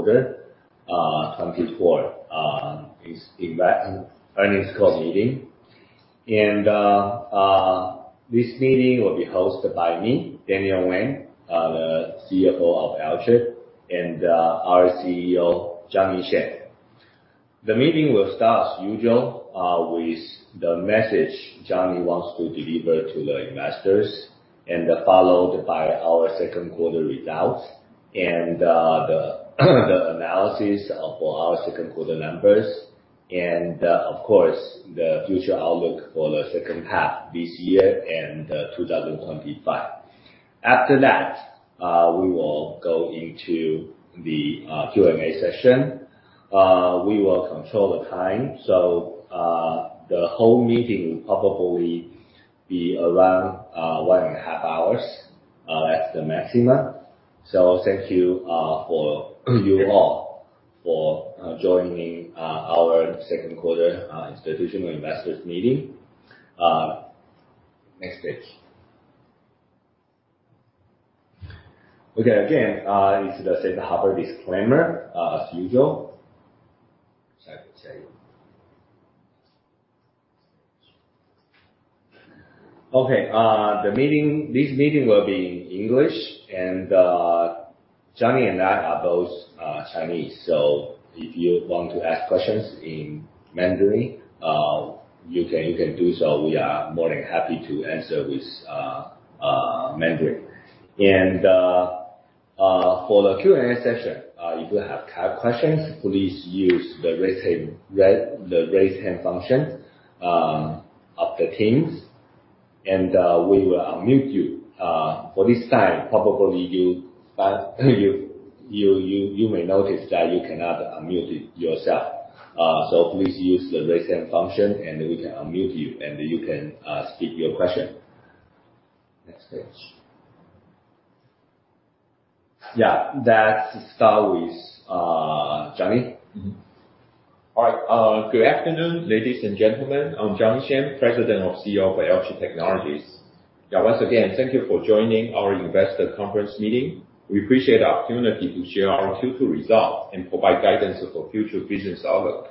Q2 2024 investor earnings call meeting. This meeting will be hosted by me, Daniel Wang, the CFO of Alchip, and our CEO, Johnny Shen. The meeting will start, as usual, with the message Johnny wants to deliver to the investors, followed by our second quarter results, the analysis of our second quarter numbers, and, of course, the future outlook for the second half this year and 2025. After that, we will go into the Q&A session. We will control the time, so the whole meeting will probably be around one and a half hours. That's the maximum. So thank you all for joining our second quarter institutional investors meeting. Next page. Okay, again, it's the safe harbor disclaimer, as usual. Okay, this meeting will be in English, and Johnny and I are both Chinese. So if you want to ask questions in Mandarin, you can do so. We are more than happy to answer with Mandarin, and for the Q&A session, if you have questions, please use the raise hand function of the Teams. We will unmute you. For this time, probably you may notice that you cannot unmute yourself. So please use the raise hand function, and we can unmute you, and you can speak your question. Next page. Yeah, that’s to start with Johnny. All right. Good afternoon, ladies and gentlemen. I'm Johnny Shen, President and CEO for Alchip Technologies. Yeah, once again, thank you for joining our investor conference meeting. We appreciate the opportunity to share our future results and provide guidance for future business outlook.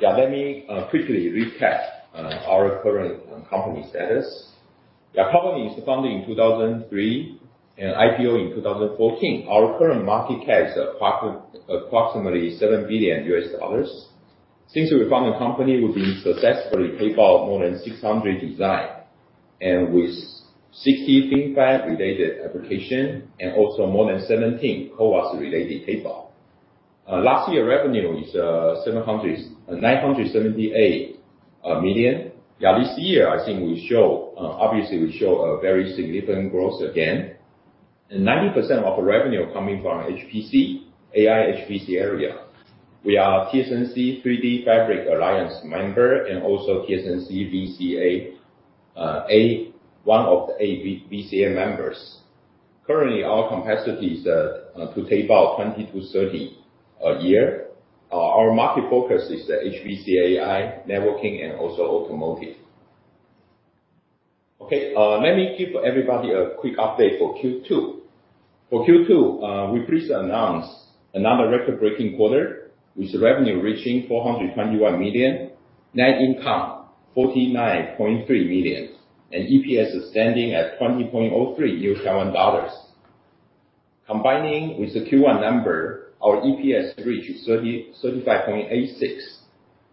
Yeah, let me quickly recap our current company status. Yeah, company is founded in 2003 and IPO in 2014. Our current market cap is approximately $7 billion. Since we founded the company, we've been successfully paid for more than 600 designs and with 60 FinFET-related applications and also more than 17 CoWoS-related papers. Last year revenue is 700,978 million. Yeah, this year, I think we show obviously a very significant growth again. 90% of our revenue coming from HPC, AI HPC area. We are TSMC 3D Fabric Alliance member and also TSMC VCA, one of the VCA members. Currently, our capacity is to take about 20 to 30 a year. Our market focus is HPC, AI, networking, and also automotive. Okay, let me give everybody a quick update for Q2. For Q2, we're pleased to announce another record-breaking quarter with revenue reaching 421 million, net income 49.3 million, and EPS standing at 20.03 dollars. Combining with the Q1 number, our EPS reached 30.35.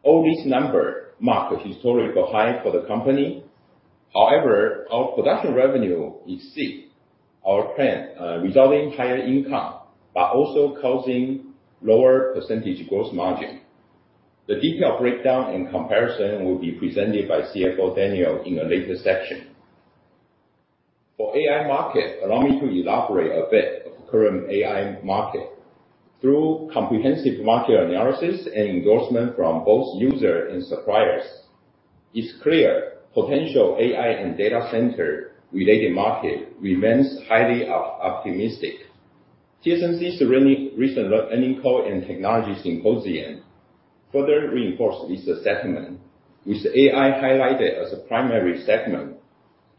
All these numbers mark a historical high for the company. However, our production revenue exceeds our plan, resulting in higher income but also causing lower percentage gross margin. The detailed breakdown and comparison will be presented by CFO Daniel in a later section. For AI market, allow me to elaborate a bit on the current AI market. Through comprehensive market analysis and endorsement from both users and suppliers, it's clear potential AI and data center-related market remains highly optimistic. TSMC's recent earnings call and technology symposium further reinforced this sentiment, with AI highlighted as a primary segment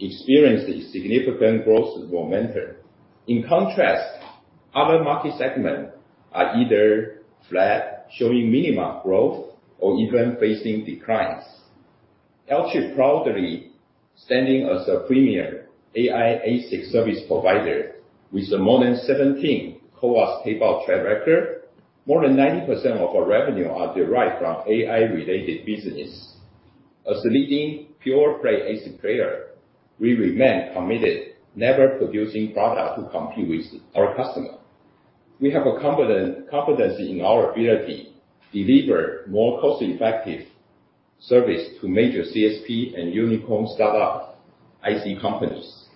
experiencing significant growth momentum. In contrast, other market segments are either flat, showing minimal growth, or even facing declines. Alchip proudly standing as a premier AI ASIC service provider with more than 17 CoWoS tape-out track record. More than 90% of our revenue is derived from AI-related business. As a leading pure-play ASIC player, we remain committed, never producing products to compete with our customers. We have a confidence in our ability to deliver more cost-effective service to major CSP and unicorn startup IC companies.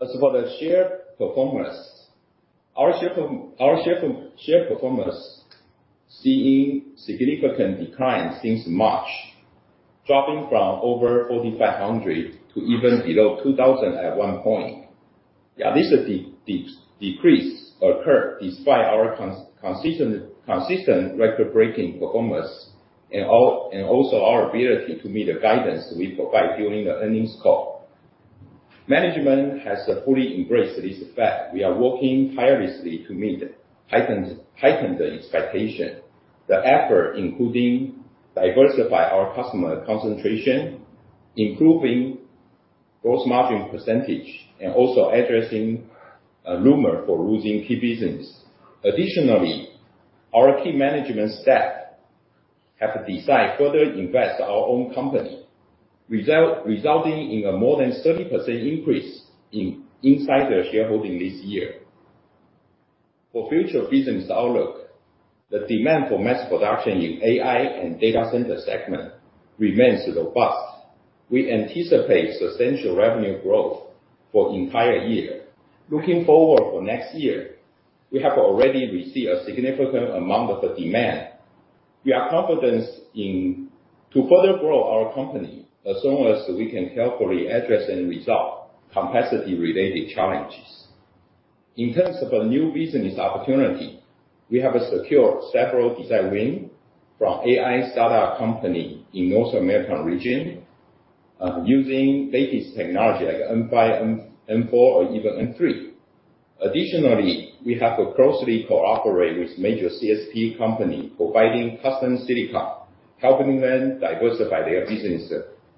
As for the share performance, our share performance seen significant decline since March, dropping from over 4,500 to even below 2,000 at one point. Yeah, this decrease occurred despite our consistent record-breaking performance and all, and also our ability to meet the guidance we provide during the earnings call. Management has fully embraced this effect. We are working tirelessly to meet heightened expectations. The effort including diversifying our customer concentration, improving gross margin percentage, and also addressing a rumor for losing key business. Additionally, our key management staff have decided to further invest in our own company, resulting in a more than 30% increase in insider shareholding this year. For future business outlook, the demand for mass production in AI and data center segment remains robust. We anticipate substantial revenue growth for the entire year. Looking forward to next year, we have already received a significant amount of demand. We are confident in further growing our company as long as we can carefully address and resolve capacity-related challenges. In terms of a new business opportunity, we have secured several design wins from AI startup companies in the North American region, using latest technology like N5, N4, or even N3. Additionally, we have closely cooperated with major CSP companies providing custom silicon, helping them diversify their business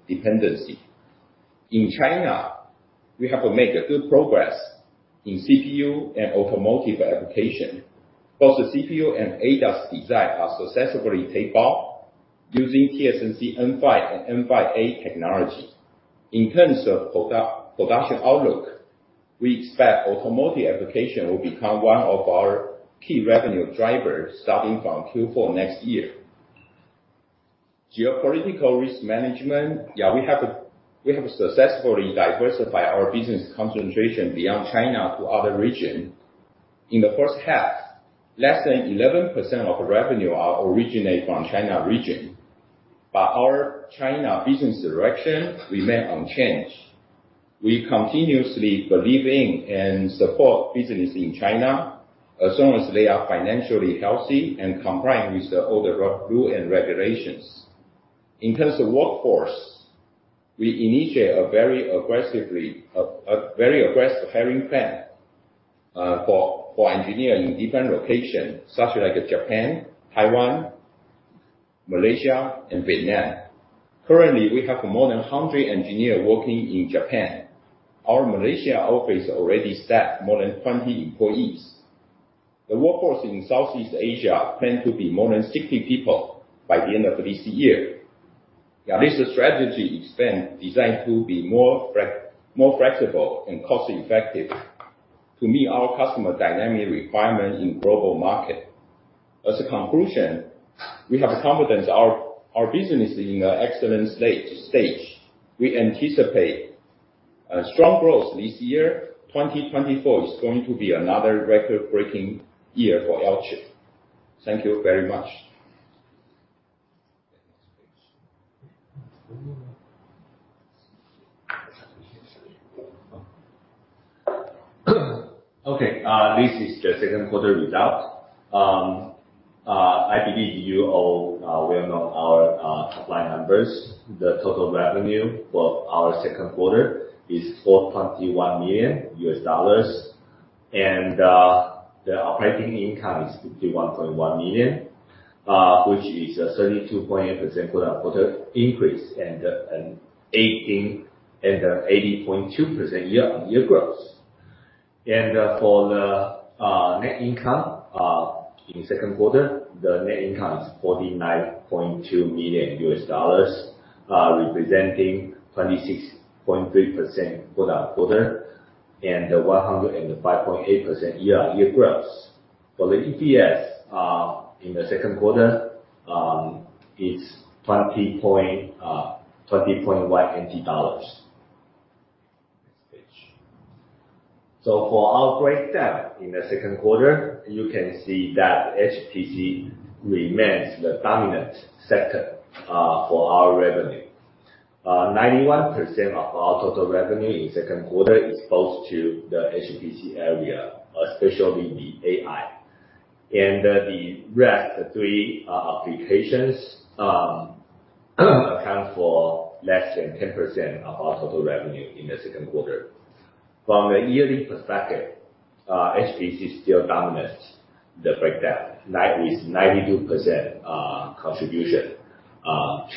dependency. In China, we have made good progress in CPU and automotive applications. Both the CPU and ADAS designs are successfully taken up using TSMC N5 and N5A technology. In terms of production outlook, we expect automotive applications will become one of our key revenue drivers starting from Q4 next year. Geopolitical risk management, yeah, we have successfully diversified our business concentration beyond China to other regions. In the first half, less than 11% of revenue originates from the China region. But our China business direction remains unchanged. We continuously believe in and support business in China as long as they are financially healthy and complying with all the rules and regulations. In terms of workforce, we initiated a very aggressive hiring plan for engineers in different locations such as Japan, Taiwan, Malaysia, and Vietnam. Currently, we have more than 100 engineers working in Japan. Our Malaysia office already staffed more than 20 employees. The workforce in Southeast Asia is planned to be more than 60 people by the end of this year. Yeah, this strategy is designed to be more flexible and cost-effective to meet our customer dynamic requirements in the global market. As a conclusion, we have confidence our business is in an excellent stage. We anticipate a strong growth this year. 2024 is going to be another record-breaking year for Alchip. Thank you very much. Okay, this is the second quarter result. I believe you all well know our supply numbers. The total revenue for our second quarter is $421 million. The operating income is $51.1 million, which is a 32.8% quarter-on-quarter increase and an 18% and an 80.2% year-on-year growth. For the net income in the second quarter, the net income is $49.2 million, representing 26.3% quarter-on-quarter and 105.8% year-on-year growth. For the EPS in the second quarter, it's 20.1 NT dollars. For our breakdown in the second quarter, you can see that HPC remains the dominant sector for our revenue. 91% of our total revenue in the second quarter is posted to the HPC area, especially the AI. The rest, the three applications, account for less than 10% of our total revenue in the second quarter. From the yearly perspective, HPC is still dominant in the breakdown, with 92% contribution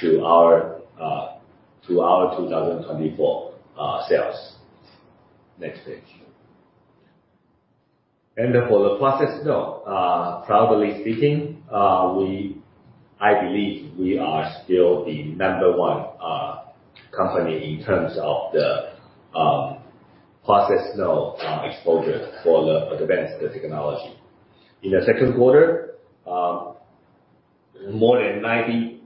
to our 2024 sales. Next page. And for the process, proudly speaking, I believe we are still the number one company in terms of the process exposure for the advanced technology. In the second quarter, more than 90%,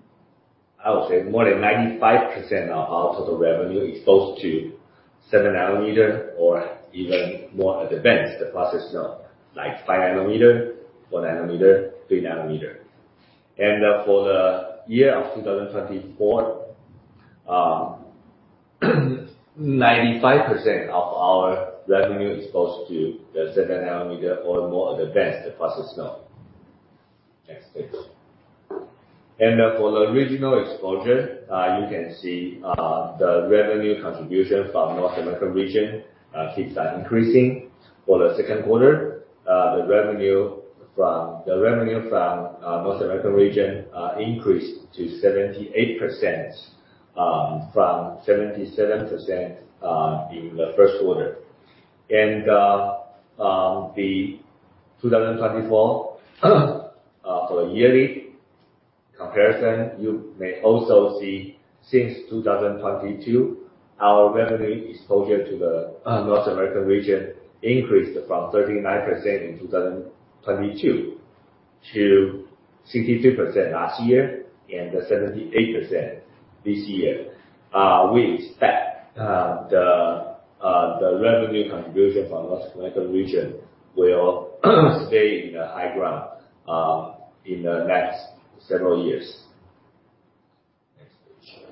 I would say more than 95% of our total revenue is posted to 7 nanometer or even more advanced process, you know, like 5 nanometer, 4 nanometer, 3 nanometer. And for the year of 2024, 95% of our revenue is posted to the 7 nanometer or more advanced process. Next page. And for the regional exposure, you can see, the revenue contribution from the North American region keeps on increasing. For the second quarter, the revenue from the North American region increased to 78% from 77% in the first quarter. The 2024 for the yearly comparison, you may also see since 2022, our revenue exposure to the North American region increased from 39% in 2022 to 63% last year and 78% this year. We expect the revenue contribution from the North American region will stay in the high ground in the next several years. Next page.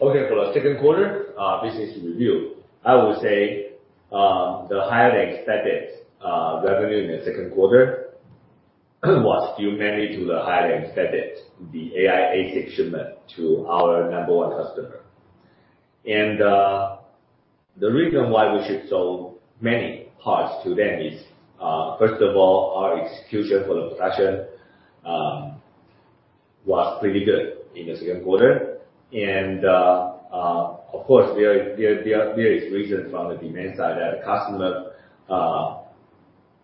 Okay, for the second quarter business review, I would say the highly expected revenue in the second quarter was still mainly due to the highly expected AI ASIC shipment to our number one customer. The reason why we should sell many parts to them is, first of all, our execution for the production was pretty good in the second quarter. Of course, there is reason from the demand side that the customer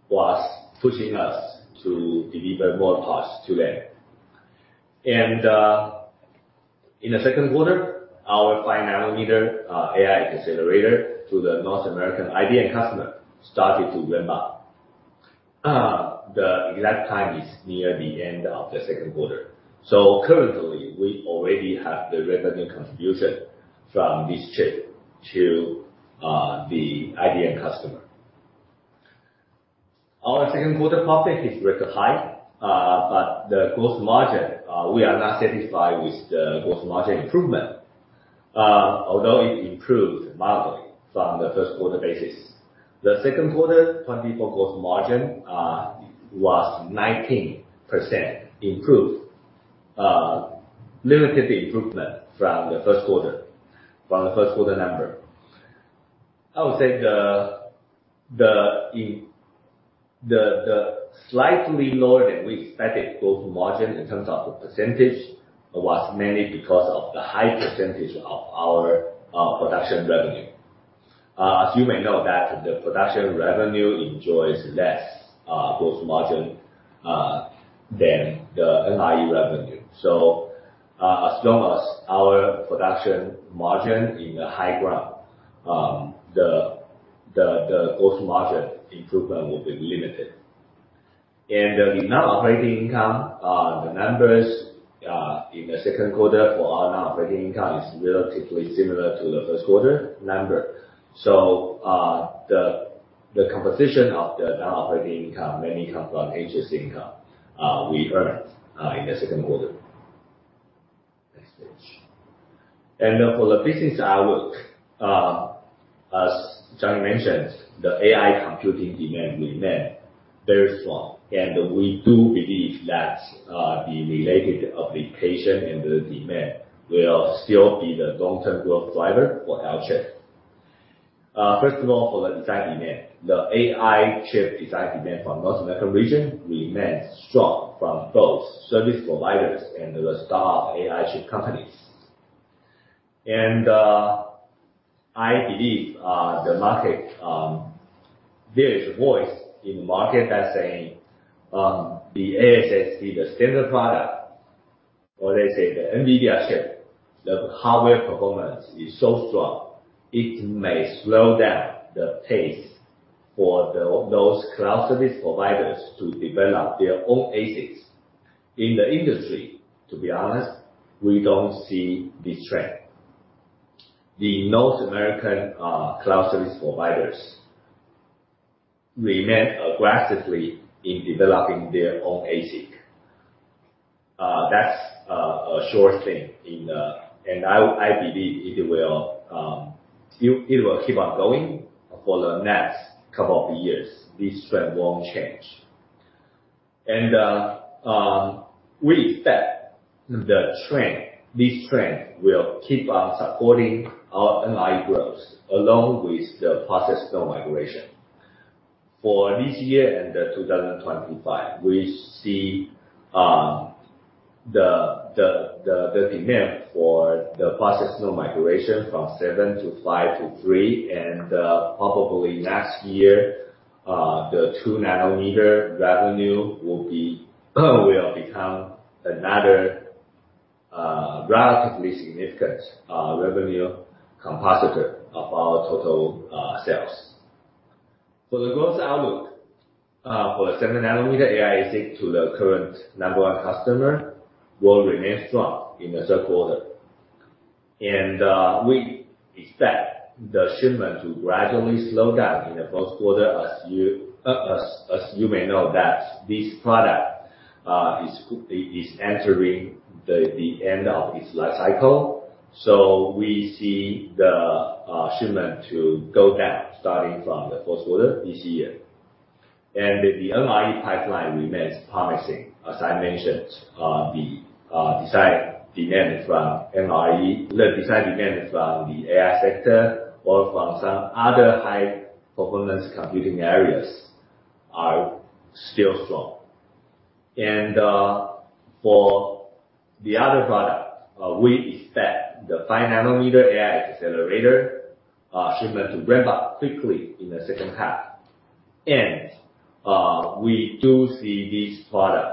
was pushing us to deliver more parts to them. In the second quarter, our 5 nanometer AI accelerator to the North American IDM customer started to ramp up. The exact time is near the end of the second quarter. Currently, we already have the revenue contribution from this chip to the IDM customer. Our second quarter profit is record high, but the gross margin, we are not satisfied with the gross margin improvement, although it improved mildly from the first quarter basis. The second quarter 24 gross margin was 19% improved, limited improvement from the first quarter number. I would say the slightly lower than we expected gross margin in terms of the percentage was mainly because of the high percentage of our production revenue. As you may know, that the production revenue enjoys less gross margin than the NRE revenue. So, as long as our production margin is in the high ground, the gross margin improvement will be limited. And the non-operating income, the numbers, in the second quarter for our non-operating income is relatively similar to the first quarter number. So, the composition of the non-operating income mainly comes from interest income we earned in the second quarter. Next page. And for the business outlook, as Johnny mentioned, the AI computing demand remained very strong. And we do believe that the related application and the demand will still be the long-term growth driver for Alchip. First of all, for the design demand, the AI chip design demand from the North American region remains strong from both service providers and the startup AI chip companies. I believe the market. There is a voice in the market that's saying the ASIC, the standard product, or let's say the NVIDIA chip, the hardware performance is so strong, it may slow down the pace for those cloud service providers to develop their own ASICs. In the industry, to be honest, we don't see this trend. The North American cloud service providers remain aggressively in developing their own ASIC. That's a sure thing, and I believe it will keep on going for the next couple of years. This trend won't change. We expect the trend. This trend will keep on supporting our NRE growth along with the process migration. For this year and 2025, we see the demand for the process migration from 7 to 5 to 3, and probably next year, the 2 nanometer revenue will become another relatively significant revenue composite of our total sales. For the growth outlook, for the 7 nanometer AI ASIC to the current number one customer will remain strong in the third quarter. We expect the shipment to gradually slow down in the fourth quarter as you may know that this product is entering the end of its life cycle. We see the shipment to go down starting from the fourth quarter this year. The NRE pipeline remains promising. As I mentioned, the design demand from NRE from the AI sector or from some other high-performance computing areas are still strong. For the other product, we expect the 5 nanometer AI accelerator shipment to ramp up quickly in the second half. We do see this product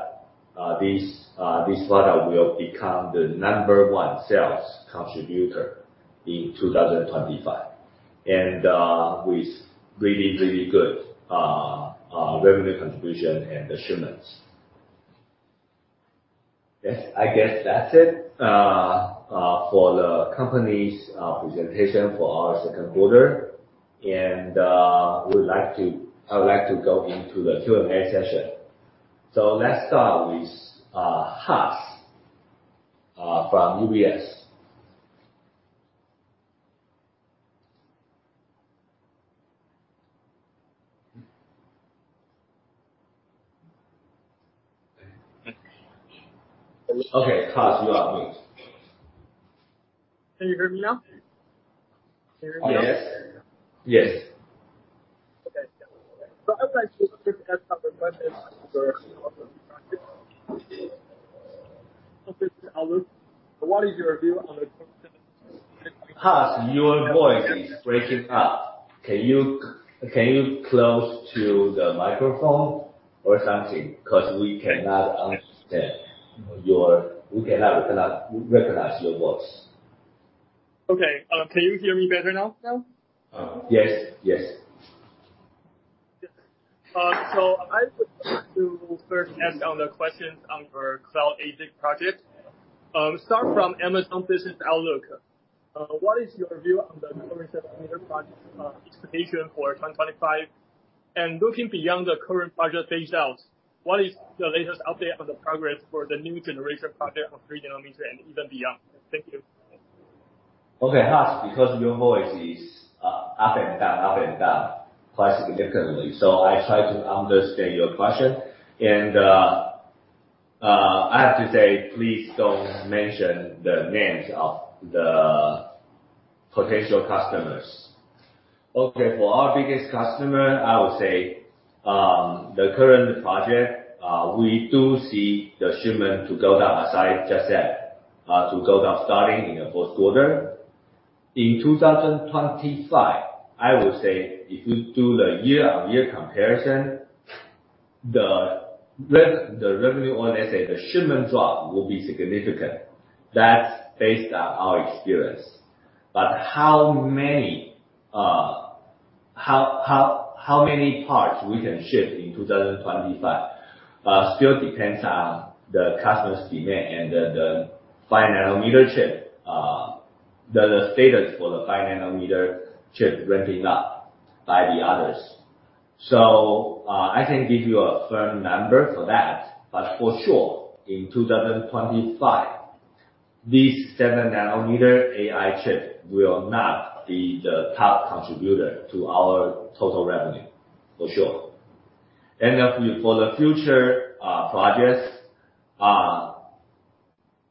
will become the number one sales contributor in 2025. With really, really good revenue contribution and the shipments. Yes, I guess that's it for the company's presentation for our second quarter. I would like to go into the Q&A session. Let's start with Has from UBS. Okay, Has, you are muted. Can you hear me now? Can you hear me now? Yes. Yes. Okay. I would like to just ask a couple of questions for the outlook. What is your view on the core? Has, your voice is breaking up. Can you close to the microphone or something? Because we cannot understand you. We cannot recognize your voice. Okay. Can you hear me better now? Yes, yes. So I would like to first ask on the questions on your cloud ASIC project. Start from Amazon Business Outlook. What is your view on the current seven nanometer project, expectation for 2025? And looking beyond the current project phase out, what is the latest update on the progress for the new generation project of three nanometer and even beyond? Thank you. Okay, Has, because your voice is up and down quite significantly. So I try to understand your question. And I have to say, please don't mention the names of the potential customers. Okay, for our biggest customer, I would say, the current project, we do see the shipment to go down, as I just said, starting in the fourth quarter. In 2025, I would say if we do the year-on-year comparison, the revenue or let's say the shipment drop will be significant. That's based on our experience. But how many parts we can ship in 2025 still depends on the customer's demand and the 5 nanometer chip, the status for the 5 nanometer chip ramping up by the others. So I can give you a firm number for that, but for sure, in 2025, this 7 nanometer AI chip will not be the top contributor to our total revenue, for sure, and for the future projects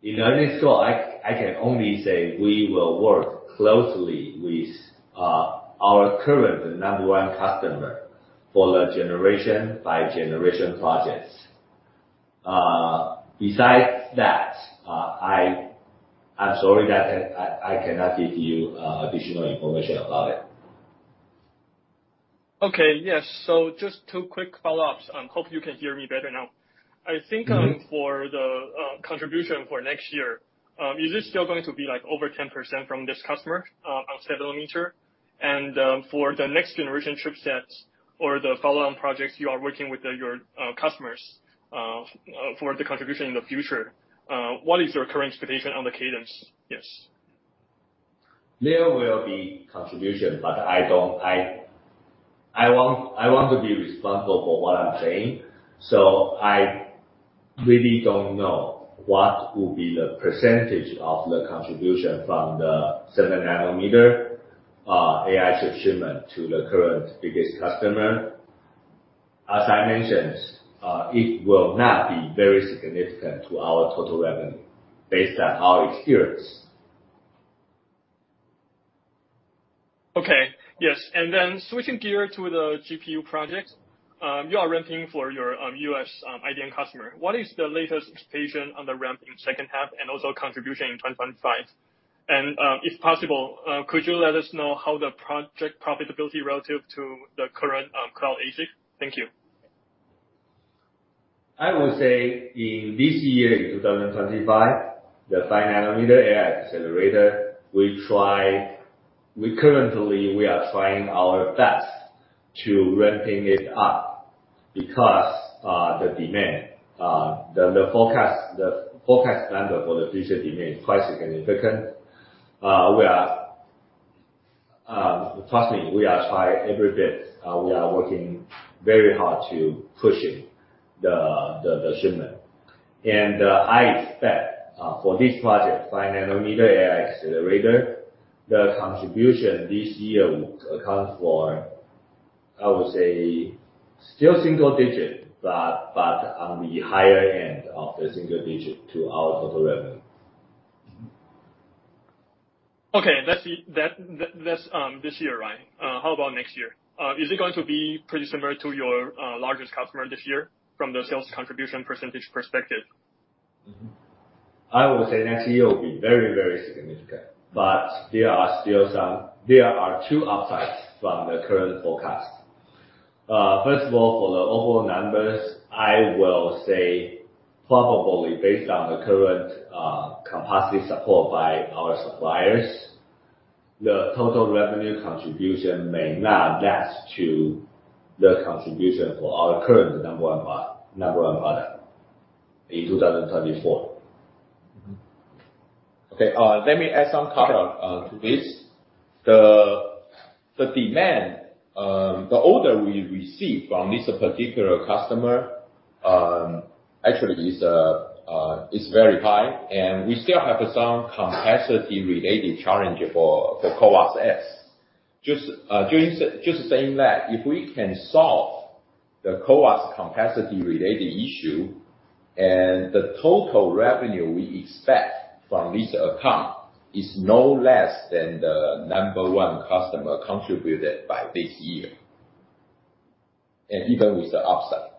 in earnings call, I can only say we will work closely with our current number one customer for the generation-by-generation projects. Besides that, I'm sorry that I cannot give you additional information about it. Okay, yes, so just two quick follow-ups. I hope you can hear me better now. I think, for the contribution for next year, is it still going to be like over 10% from this customer, on 7 nanometer? And, for the next generation chipsets or the follow-on projects you are working with your customers, for the contribution in the future, what is your current expectation on the cadence? Yes. There will be contribution, but I want to be responsible for what I'm saying. So I really don't know what will be the percentage of the contribution from the 7 nanometer, AI chip shipment to the current biggest customer. As I mentioned, it will not be very significant to our total revenue based on our experience. Okay, yes. And then switching gear to the GPU project, you are ramping for your U.S. IDM customer. What is the latest expectation on the ramp in second half and also contribution in 2025? And, if possible, could you let us know how the project profitability relative to the current cloud ASIC? Thank you. I would say in this year, in 2025, the 5 nanometer AI accelerator, we currently are trying our best to ramp it up because the demand, the forecast number for the future demand is quite significant. We are, trust me, we are trying every bit. We are working very hard to push it, the shipment. I expect, for this project, 5 nanometer AI accelerator, the contribution this year will account for, I would say, still single digit, but on the higher end of the single digit to our total revenue. Okay, that's it. That's this year, right? How about next year? Is it going to be pretty similar to your largest customer this year from the sales contribution percentage perspective? Mm-hmm. I would say next year will be very, very significant, but there are still some, there are two upsides from the current forecast. First of all, for the overall numbers, I will say probably based on the current capacity support by our suppliers, the total revenue contribution may not match to the contribution for our current number one product in 2024. Okay, let me add some color to this. The demand, the order we receive from this particular customer actually is very high, and we still have some capacity-related challenge for CoWoS-S. Just saying that if we can solve the CoWoS capacity-related issue and the total revenue we expect from this account is no less than the number one customer contributed by this year, and even with the upside.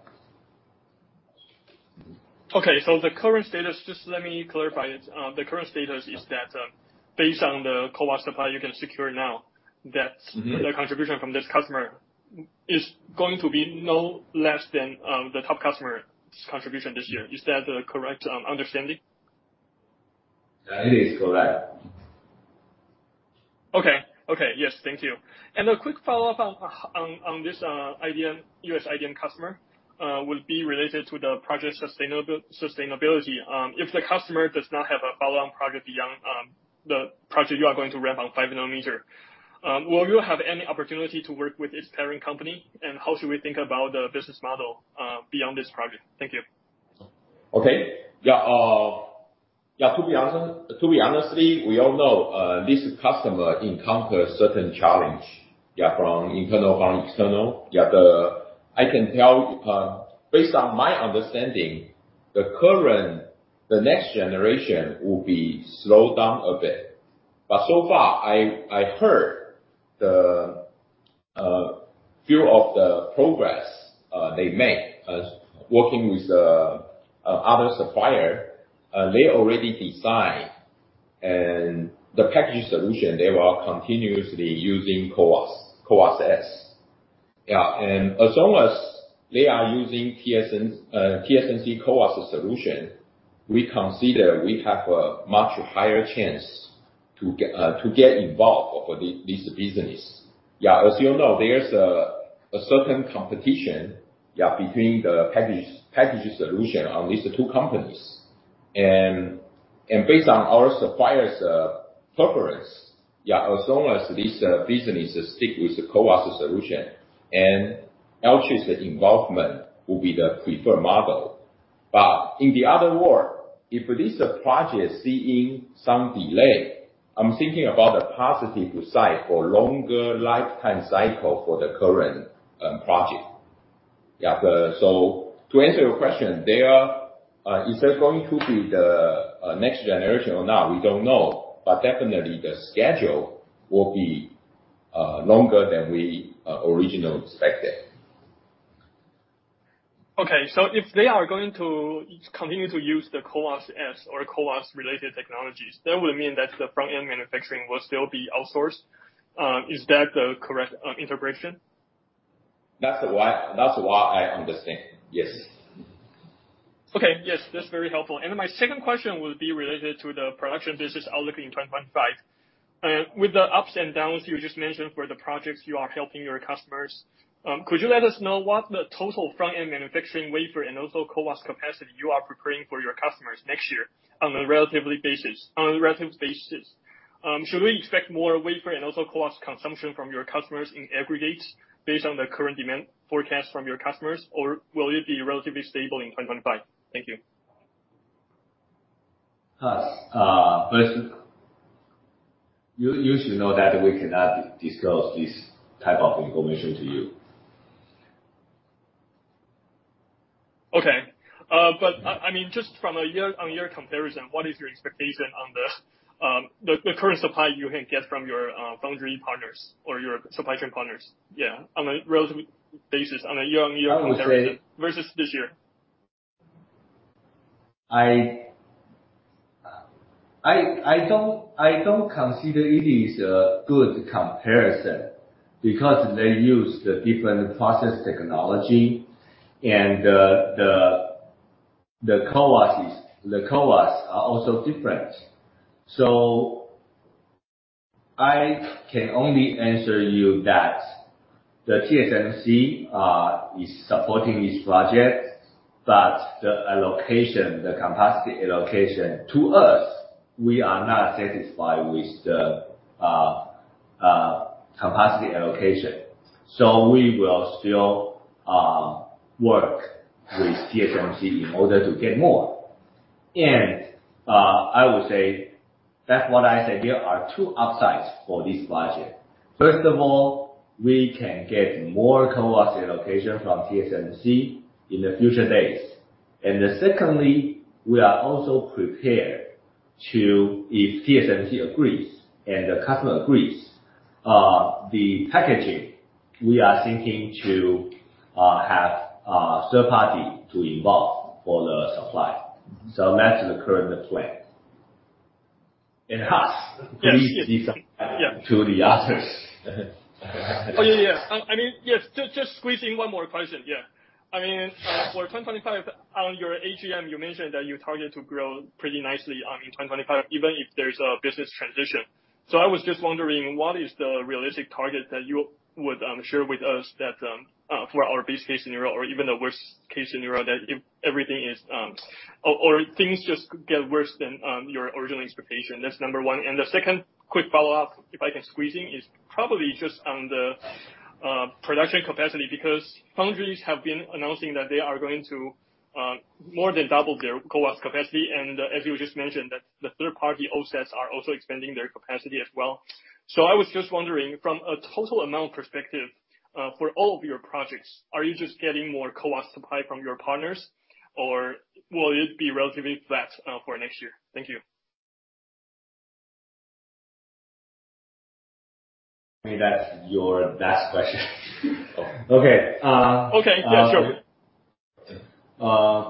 Okay, so the current status, just let me clarify it. The current status is that, based on the CoWoS supply you can secure now, that the contribution from this customer is going to be no less than the top customer's contribution this year. Is that the correct understanding? That is correct. Okay. Okay, yes. Thank you. And a quick follow-up on this, IDM, US IDM customer, would be related to the project sustainability. If the customer does not have a follow-on project beyond the project you are going to ramp on 5 nanometer, will you have any opportunity to work with its parent company? How should we think about the business model, beyond this project? Thank you. Okay. Yeah. Yeah, to be honest, we all know this customer encounters certain challenge, yeah, from internal, from external. Yeah, I can tell, based on my understanding, the current, the next generation will be slowed down a bit. But so far, I heard the view of the progress they make, working with the other supplier. They already designed the package solution. They were continuously using CoWoS, CoWoS-S. Yeah. And as long as they are using TSMC CoWoS solution, we consider we have a much higher chance to get involved for this business. Yeah. As you know, there's a certain competition, yeah, between the package solution on these two companies. Based on our supplier's preference, yeah, as long as this business sticks with the CoWoS solution, and Alchip's involvement will be the preferred model. But in the other world, if this project sees some delay, I'm thinking about the positive side for longer lifetime cycle for the current project. Yeah. So to answer your question, is there going to be the next generation or not? We don't know, but definitely the schedule will be longer than we originally expected. Okay. So if they are going to continue to use the CoWoS-S or CoWoS-related technologies, that would mean that the front-end manufacturing will still be outsourced. Is that the correct understanding? That's why I understand. Yes. Okay. Yes. That's very helpful. My second question would be related to the production business outlook in 2025. With the ups and downs you just mentioned for the projects you are helping your customers, could you let us know what the total front-end manufacturing wafer and also CoWoS capacity you are preparing for your customers next year on a relatively basis, on a relative basis? Should we expect more wafer and also CoWoS consumption from your customers in aggregate based on the current demand forecast from your customers, or will it be relatively stable in 2025? Thank you. Yes, but you should know that we cannot disclose this type of information to you. Okay. But I mean, just from a year-on-year comparison, what is your expectation on the current supply you can get from your foundry partners or your supply chain partners? Yeah. On a relative basis, on a year-on-year comparison versus this year. I don't consider it is a good comparison because they use the different process technology and the CoWoS is, the CoWoS are also different. So I can only answer you that the TSMC is supporting this project, but the allocation, the capacity allocation to us. We are not satisfied with the capacity allocation. So we will still work with TSMC in order to get more. I would say that's what I said. There are two upsides for this budget. First of all, we can get more CoWoS allocation from TSMC in the future days. Secondly, we are also prepared to, if TSMC agrees and the customer agrees, the packaging. We are thinking to have third party to involve for the supply. So that's the current plan. Has, please disclose to the others. Oh, yeah, yeah. I mean, yes, just, just squeezing one more question. Yeah. I mean, for 2025, on your AGM, you mentioned that you target to grow pretty nicely, in 2025, even if there's a business transition. So I was just wondering, what is the realistic target that you would, share with us that, for our base case scenario or even the worst case scenario that if everything is, or, or things just get worse than, your original expectation? That's number one. And the second quick follow-up, if I can squeeze in, is probably just on the, production capacity because foundries have been announcing that they are going to, more than double their CoWoS capacity. And as you just mentioned, that the third-party OSATs are also expanding their capacity as well. So I was just wondering, from a total amount perspective, for all of your projects, are you just getting more CoWoS supply from your partners, or will it be relatively flat, for next year? Thank you. I mean, that's your last question. Okay. Okay. Yeah, sure.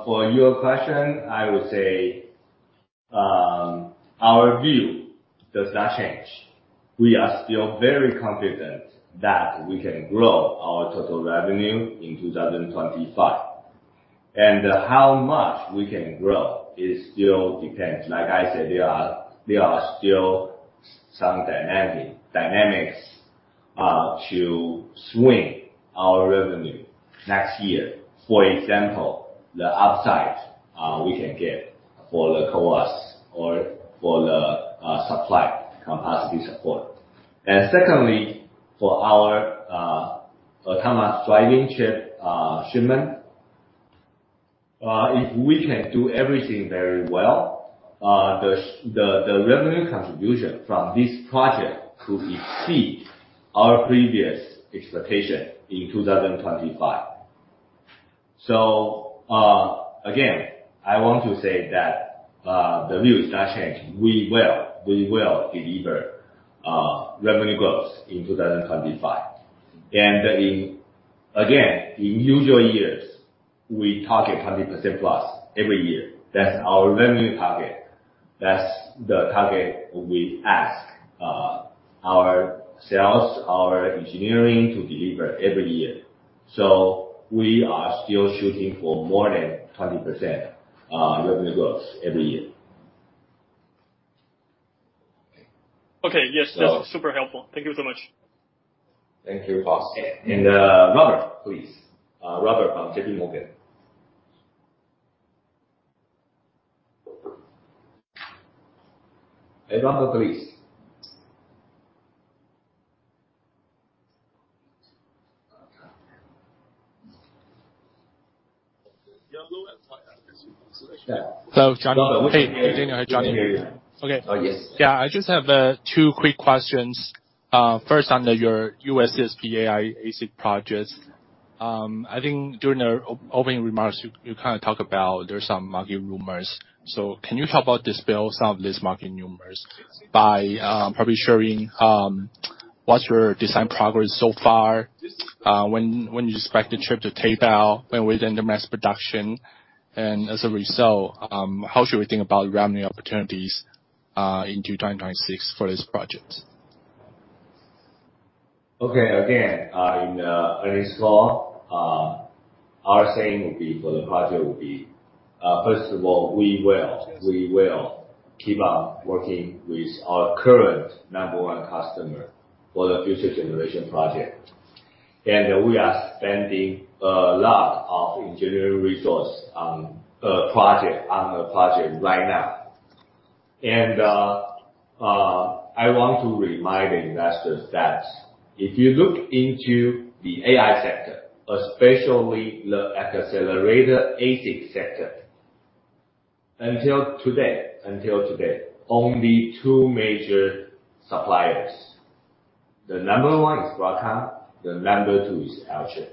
For your question, I would say our view does not change. We are still very confident that we can grow our total revenue in 2025. And how much we can grow is still depends. Like I said, there are still some dynamics to swing our revenue next year. For example, the upside we can get for the CoWoS or for the supply capacity support. And secondly, for our autonomous driving chip shipment, if we can do everything very well, the revenue contribution from this project could exceed our previous expectation in 2025. So, again, I want to say that the view has not changed. We will deliver revenue growth in 2025. And in, again, in usual years, we target 20% plus every year. That's our revenue target. That's the target we ask our sales, our engineering to deliver every year. So we are still shooting for more than 20% revenue growth every year. Okay. Yes. That's super helpful. Thank you so much. Thank you, Has. And, Robert, please. Robert from JPMorgan. Hey, Robert, please. Yeah. So, Johnny. Hey, Daniel. Hey, Johnny. Okay. Oh, yes. Yeah. I just have two quick questions. First, on your U.S. CSP AI ASIC project, I think during the opening remarks, you kind of talked about there's some market rumors. So can you help us dispel some of these market rumors by probably sharing what's your design progress so far, when you expect the chip to tape out, when within the mass production, and as a result, how should we think about revenue opportunities into 2026 for this project? O kay. Again, in earnings call, our guidance will be for the project, first of all, we will keep on working with our current number one customer for the future generation project. And we are spending a lot of engineering resource on a project right now. And I want to remind the investors that if you look into the AI sector, especially the accelerator ASIC sector, until today only two major suppliers. The number one is Broadcom. The number two is Alchip.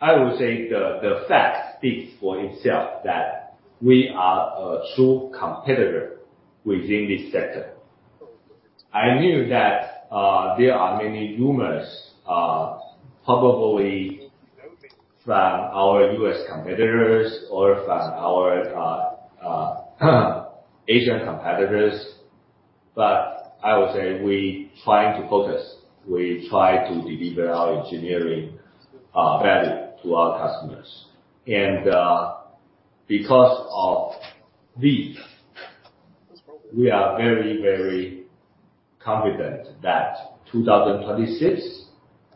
I would say the fact speaks for itself that we are a true competitor within this sector. I know that there are many rumors, probably from our US competitors or from our Asian competitors. But I would say we try to focus. We try to deliver our engineering value to our customers. And because of this, we are very, very confident that 2026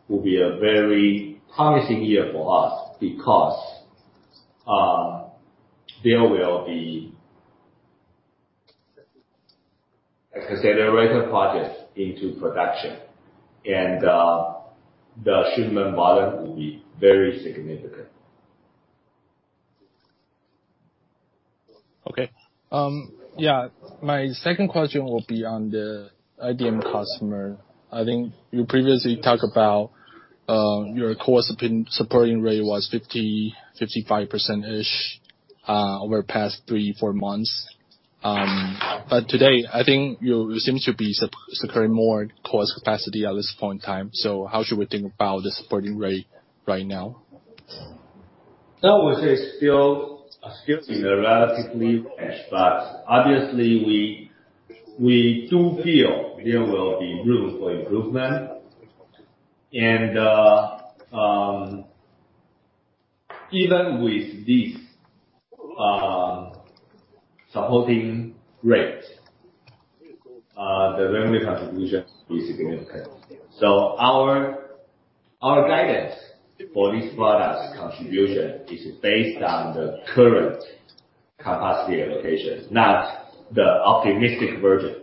will be a very promising year for us because there will be accelerator projects into production. And the shipment volume will be very significant. Okay. Yeah. My second question will be on the IDM customer. I think you previously talked about your CoWoS supporting rate was 50%-55%-ish over the past three, four months. But today, I think you seem to be securing more CoWoS capacity at this point in time. So how should we think about the supporting rate right now? I would say still in a relatively range, but obviously we do feel there will be room for improvement. Even with this supporting rate, the revenue contribution is significant. Our guidance for this product's contribution is based on the current capacity allocation, not the optimistic version.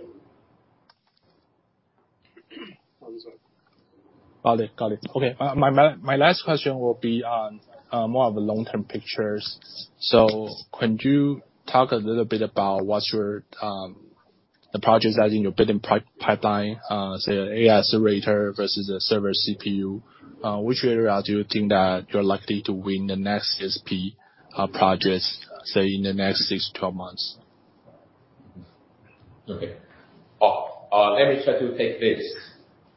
Got it. Okay. My last question will be on more of a long-term picture. Could you talk a little bit about what are the projects that are in your bidding pipeline, say, AI accelerator versus the server CPU? Which area do you think that you're likely to win the next CSP projects, say, in the next six to 12 months? Okay. Oh, let me try to take this.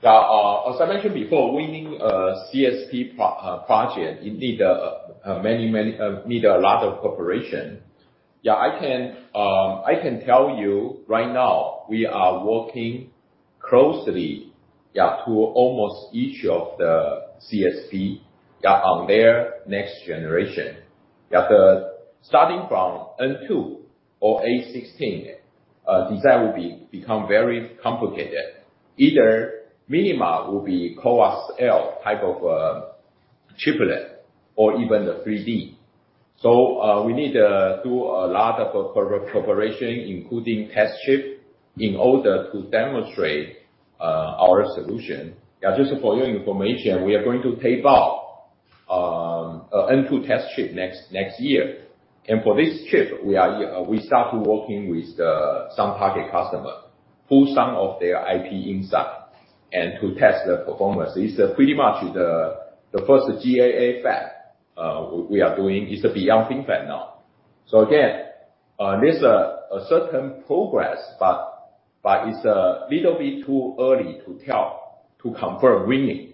Yeah. As I mentioned before, winning a CSP project needs a lot of cooperation. Yeah. I can, I can tell you right now, we are working closely, yeah, to almost each of the CSP, yeah, on their next generation. Yeah. Starting from N2 or N16, design will become very complicated. Either minima will be CoWoS-L type of chiplet or even the 3D. So, we need to do a lot of cooperation, including test chip, in order to demonstrate our solution. Yeah. Just for your information, we are going to tape out N2 test chip next year. And for this chip, we are, we started working with some target customer, pull some of their IP inside and to test the performance. It's pretty much the first GAAFET we are doing. It's beyond FinFET now. So again, there's a certain progress, but it's a little bit too early to tell to confirm winning.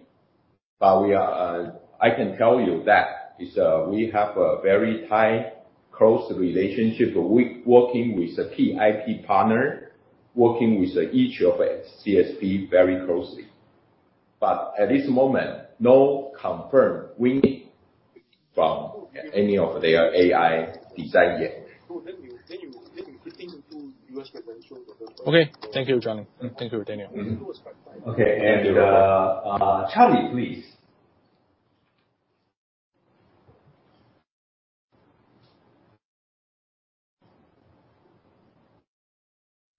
But we are. I can tell you that it's, we have a very tight, close relationship working with a key IP partner, working with each of the CSP very closely. But at this moment, no confirmed winning from an y of their AI design yet. Okay. Thank you, Johnny. Thank you, Daniel. Okay. And, Charlie, please.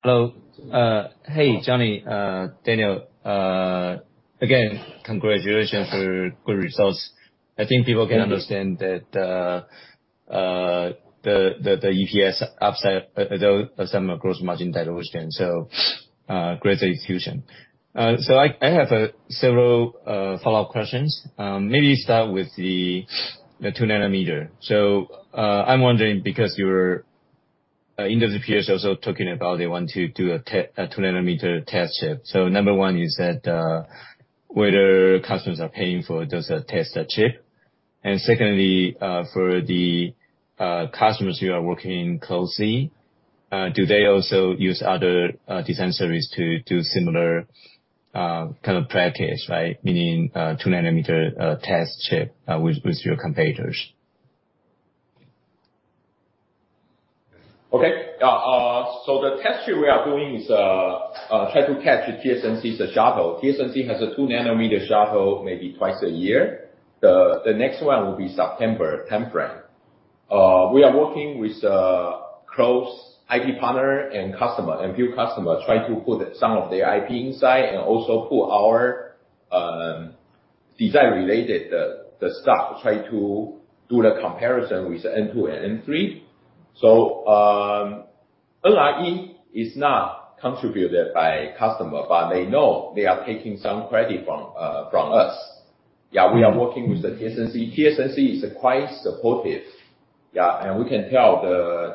Hello. Hey, Johnny, Daniel, again, congratulations for good results. I think people can understand that, the EPS upside as well as some of the gross margin dilution. So, great execution. So I have several follow-up questions. Maybe start with the 2-nanometer. So, I'm wondering because your industry peers also talking about they want to do a 2-nanometer test chip. So number one is that, whether customers are paying for those test chip. And secondly, for the customers you are working closely, do they also use other design series to do similar kind of practice, right? Meaning, 2-nanometer test chip with your competitors. Okay. Yeah. So the test chip we are doing is try to catch TSMC's shuttle. TSMC has a 2-nanometer shuttle maybe twice a year. The next one will be September timeframe. We are working with close IP partner and customer, NPU customer, try to put some of their IP inside and also put our design-related the stuff, try to do the comparison with N2 and N3. So, NRE is not contributed by customer, but they know they are taking some credit from us. Yeah. We are working with the TSMC. TSMC is quite supportive. Yeah. And we can tell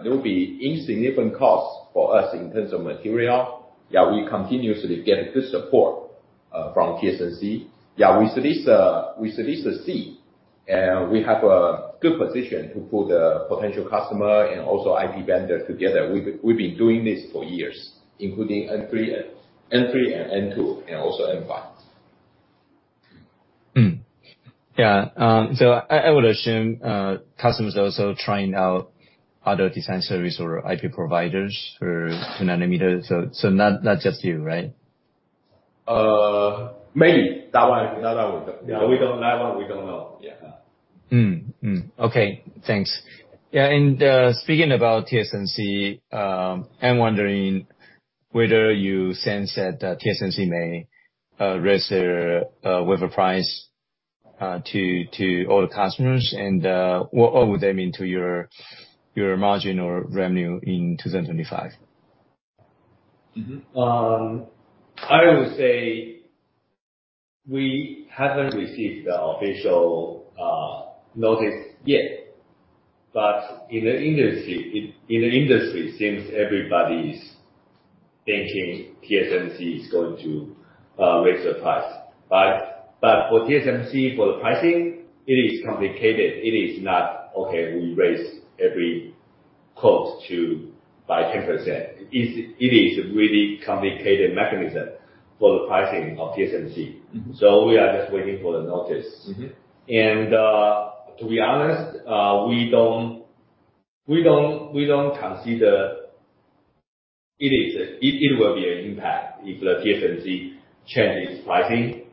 there will be insignificant costs for us in terms of material. Yeah. We continuously get good support from TSMC. We solicit shuttle, and we have a good position to put the potential customer and also IP vendor together. We've been doing this for years, including N3 and N2, and also N5. So I would assume customers also trying out other design service or IP providers for 2-nanometer. So not just you, right? Maybe. That one, we don't know. Okay. Thanks. Speaking about TSMC, I'm wondering whether you sense that TSMC may raise their wafer price to all the customers and what would that mean to your margin or revenue in 2025? I would say we haven't received the official notice yet. But in the industry, it seems everybody is thinking TSMC is going to raise the price. But for TSMC, for the pricing, it is complicated. It is not okay, we raise every quote by 10%. It is a really complicated mechanism for the pricing of TSMC. So we are just waiting for the notice. And to be honest, we don't consider it will be an impact if the TSMC changes pricing,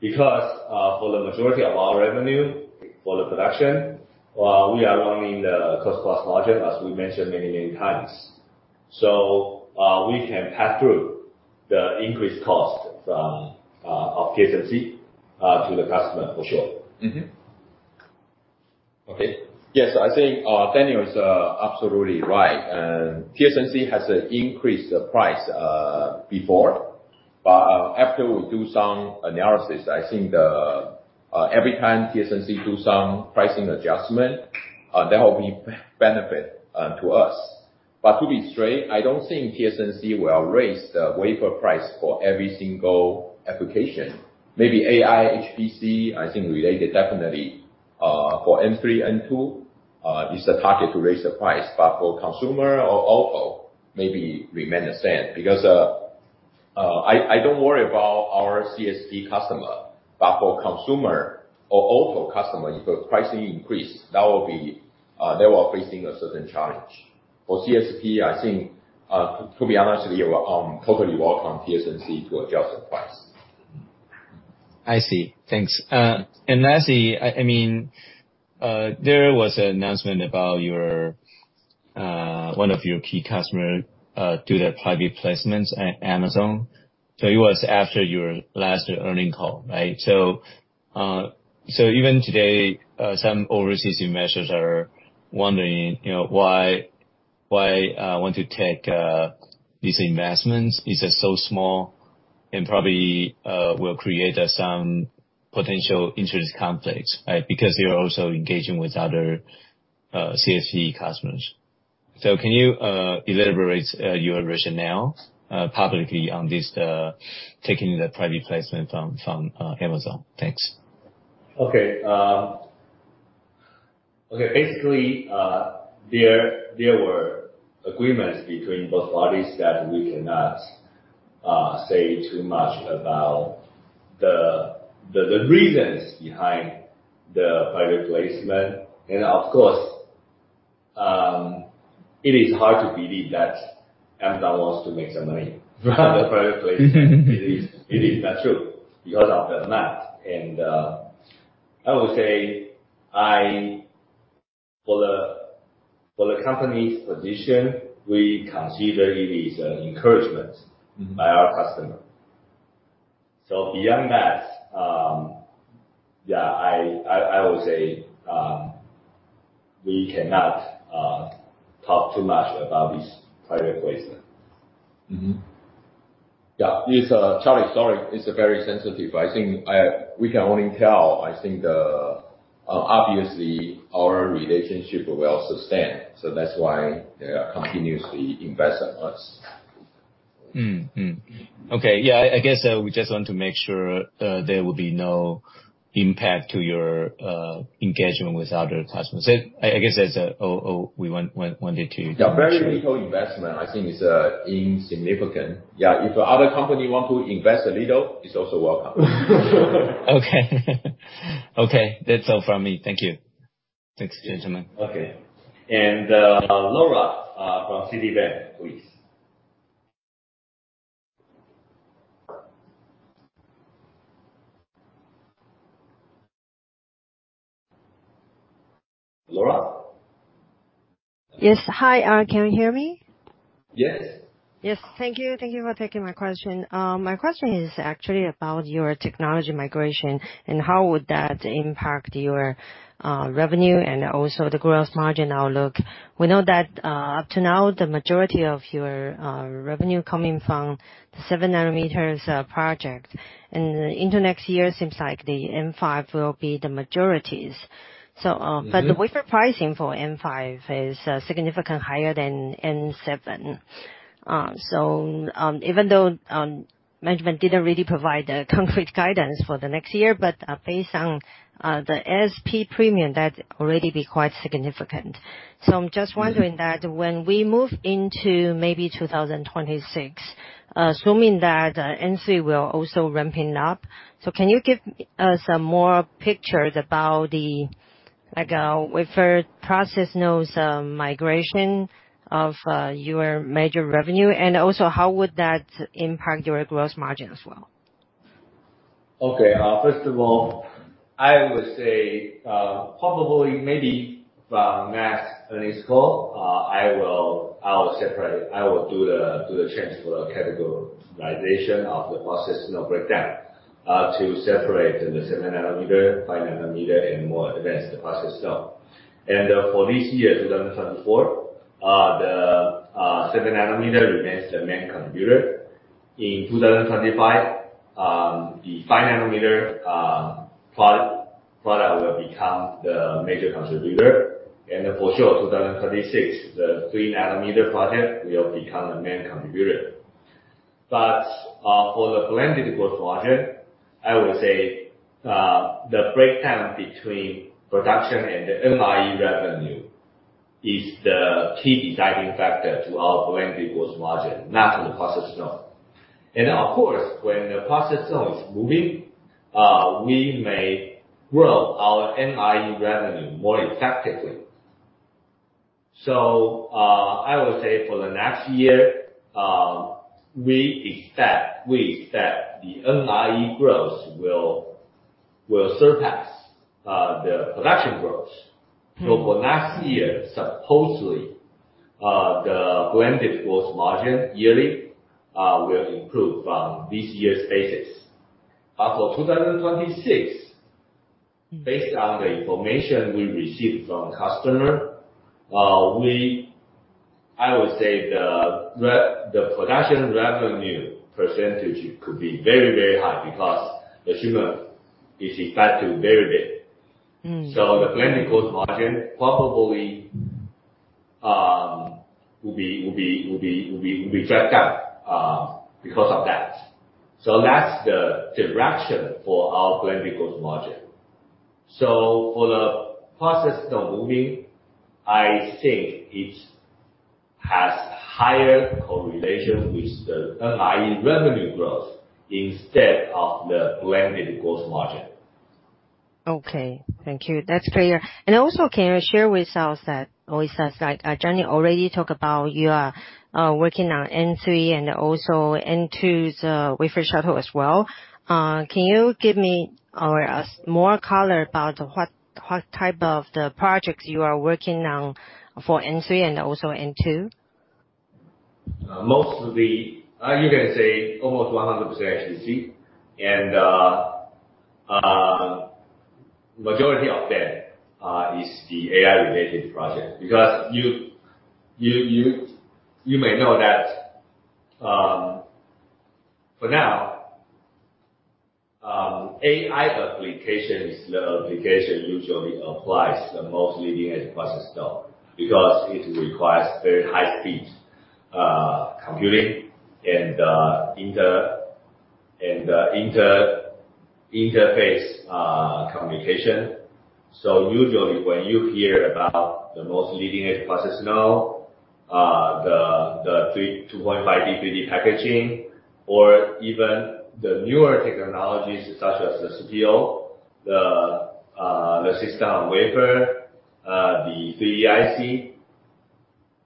because for the majority of our revenue, for the production, we are running the cost-plus margin, as we mentioned many times. So we can pass through the increased cost from TSMC to the customer for sure. Mm-hmm. Okay. Yes. I think Daniel is absolutely right. TSMC has increased the price before. But after we do some analysis, I think every time TSMC does some pricing adjustment, that will be beneficial to us. But to be straight, I don't think TSMC will raise the wafer price for every single application. Maybe AI HPC, I think related definitely, for N3, N2, is the target to raise the price. But for consumer or auto, maybe remain the same because I don't worry about our CSP customer. But for consumer or auto customer, if the pricing increases, that will be they will be facing a certain challenge. For CSP, I think, to be honest, they would totally welcome TSMC to adjust the price. I see. Thanks. And lastly, I mean, there was an announcement about one of your key customers doing their private placement with Amazon. So it was after your last earnings call, right? So even today, some overseas investors are wondering, you know, why want to take these investments? Is it so small and probably will create some potential interest conflicts, right? Because you're also engaging with other CSP customers. So can you elaborate your rationale publicly on this, taking the private placement from Amazon? Thanks. Okay. Basically, there were agreements between both parties that we cannot say too much about the reasons behind the private placement. And of course, it is hard to believe that Amazon wants to make some money from the private placement. It is not true because of the amount. And I would say, for the company's position, we consider it is an encouragement by our customer. So beyond that, yeah, I would say we cannot talk too much about this private placement. Mm-hmm. Yeah. It's Charlie, sorry. It's very sensitive. I think we can only tell. Obviously, our relationship will sustain. So that's why they are continuously investing us. Okay. Yeah. I guess we just want to make sure there will be no impact to your engagement with other customers. I guess that's. Oh, we wanted to. Yeah. Very little investment. I think it's insignificant. Yeah. If other company want to invest a little, it's also welcome. Okay. Okay. That's all from me. Thank you. Thanks, gentlemen. Okay. And Laura from Citibank, please. Laura? Yes. Hi, can you hear me? Yes. Yes. Thank you. Thank you for taking my question. My question is actually about your technology migration and how would that impact your revenue and also the gross margin outlook. We know that up to now the majority of your revenue coming from the 7-nanometers project. Into next year, it seems like the N5 will be the majority. So, but the wafer pricing for N5 is significantly higher than N7. So, even though management didn't really provide the concrete guidance for next year, but, based on the ASP premium, that already be quite significant. So I'm just wondering that when we move into maybe 2026, assuming that N3 will also ramping up. So can you give us a more picture about the, like, wafer process nodes migration of your major revenue? And also, how would that impact your gross margin as well? Okay. First of all, I would say, probably maybe the next earnings call, I will separate. I will do the change for the categorization of the process, you know, breakdown, to separate the 7-nanometer, 5-nanometer, and more advanced the process, you know. For this year, 2024, the 7-nanometer remains the main contributor. In 2025, the 5-nanometer product will become the major contributor. For sure, 2026, the 3-nanometer project will become the main contributor. For the blended gross margin, I would say the breakdown between production and the NRE revenue is the key deciding factor to our blended gross margin, not to the process, you know. Of course, when the process, you know, is moving, we may grow our NRE revenue more effectively. I would say for the next year, we expect the NRE growth will surpass the production growth. For next year, supposedly, the blended gross margin yearly will improve from this year's basis. But for 2026, based on the information we received from customer, we, I would say the production revenue percentage could be very, very high because the volume is expected to vary a bit. So the blended gross margin probably will be dragged down, because of that. So that's the direction for our blended gross margin. So for the process, you know, moving, I think it has higher correlation with the NRE revenue growth instead of the blended gross margin. Okay. Thank you. That's clear. And also, can you share with us that, oh, it says, like, Johnny already talk about you are working on N3 and also N2 wafer shuttle as well. Can you give me more color about what type of the projects you are working on for N3 and also N2? Mostly, you can say almost 100% HPC. And majority of them is the AI-related project because you may know that, for now, AI application is the application usually applies the most leading-edge process, you know, because it requires very high-speed computing and interface communication. So usually when you hear about the most leading-edge process, you know, the 2.5D 3D packaging, or even the newer technologies such as the CPO, the SoIC, the 3DIC,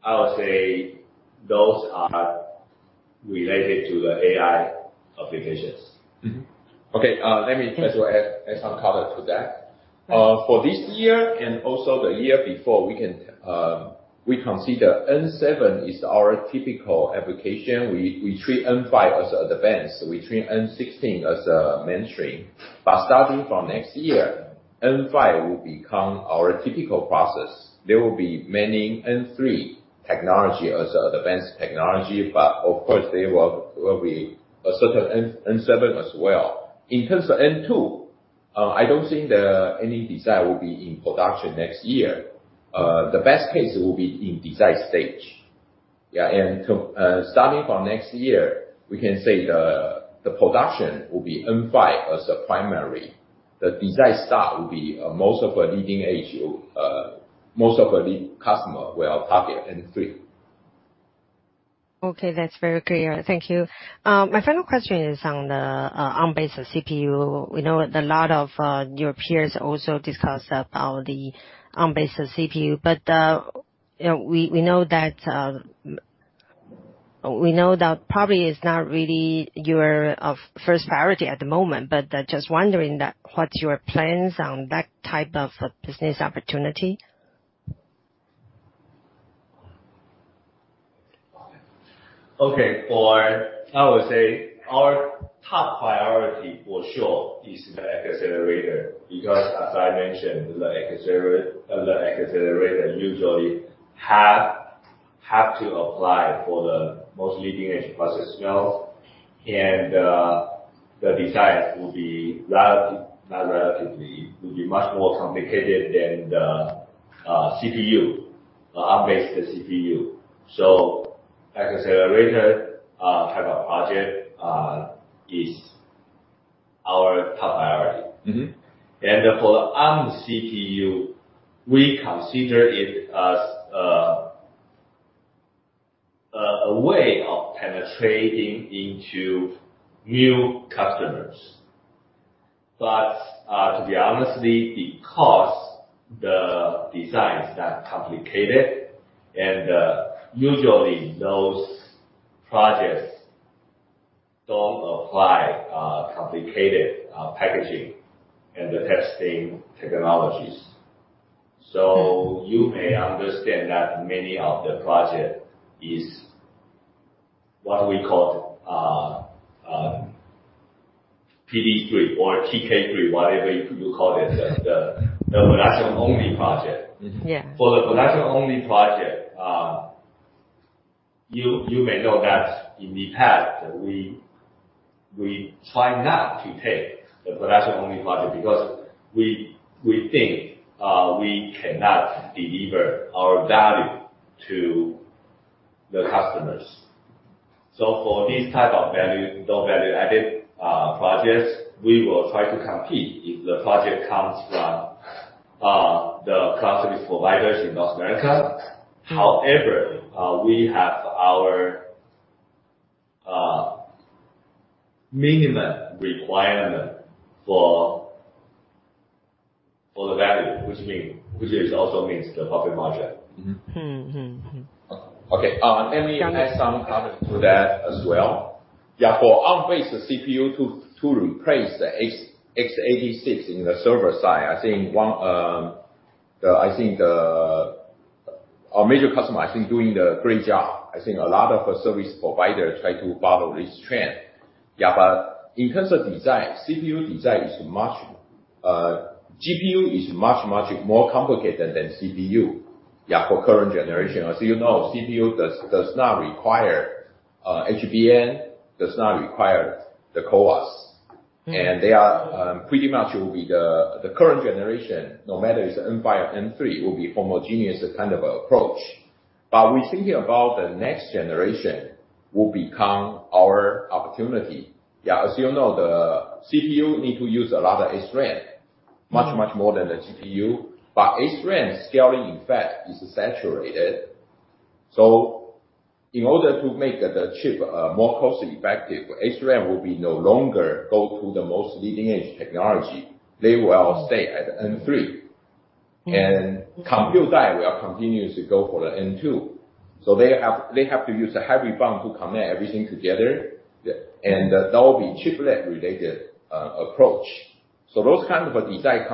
I would say those are related to the AI applications. Mm-hmm. Okay. Let me just add some color to that. For this year and also the year before, we consider N7 is our typical application. We treat N5 as advanced. We treat N16 as a mainstream. But starting from next year, N5 will become our typical process. There will be many N3 technology as advanced technology. But of course, there will be a certain N7 as well. In terms of N2, I don't think any design will be in production next year. The best case will be in design stage. Yeah. And starting from next year, we can say the production will be N5 as a primary. The design start will be most of the leading edge, most of the lead customer will target N3. Okay. That's very clear. Thank you. My final question is on the Arm-based CPU. We know that a lot of your peers also discussed about the Arm-based CPU. But you know, we know that probably is not really your first priority at the moment. But just wondering what's your plans on that type of business opportunity? Okay. For, I would say, our top priority for sure is the accelerator because, as I mentioned, the accelerator, the accelerator usually have to apply for the most leading-edge process, you know. The design will be relative, not relatively, much more complicated than the CPU, Arm-based CPU. Accelerator type of project is our top priority. Mm-hmm. For the Arm CPU, we consider it as a way of penetrating into new customers. But to be honest, because the design's not complicated and usually those projects don't apply complicated packaging and the testing technologies. You may understand that many of the project is what we call PD3 or TK3, whatever you call it, the production-only project. Yeah. For the production-only project, you may know that in the past, we try not to take the production-only project because we think we cannot deliver our value to the customers. So for this type of low-value added projects, we will try to compete if the project comes from the cloud service providers in North America. However, we have our minimum requirement for the value, which also means the profit margin. Mm-hmm. Okay. Let me add some color to that as well. Yeah. For Arm-based CPU to replace the x86 in the server side, I think our major customer doing a great job. I think a lot of service providers try to follow this trend. Yeah. But in terms of design, CPU design is much. GPU is much, much more complicated than CPU, yeah, for current generation. As you know, CPU does not require HBM, does not require the CoWoS. And they are pretty much the current generation, no matter if it's N5 or N3, will be homogeneous kind of approach. But we're thinking about the next generation will become our opportunity. Yeah. As you know, the CPU need to use a lot of SRAM, much, much more than the GPU. But SRAM scaling, in fact, is saturated. So in order to make the chip more cost-effective, SRAM will no longer go to the most leading-edge technology. They will all stay at N3. And compute die will continue to go for the N2. So they have to use a hybrid bond to connect everything together. That'll be chiplet-related approach. So those kinds of designs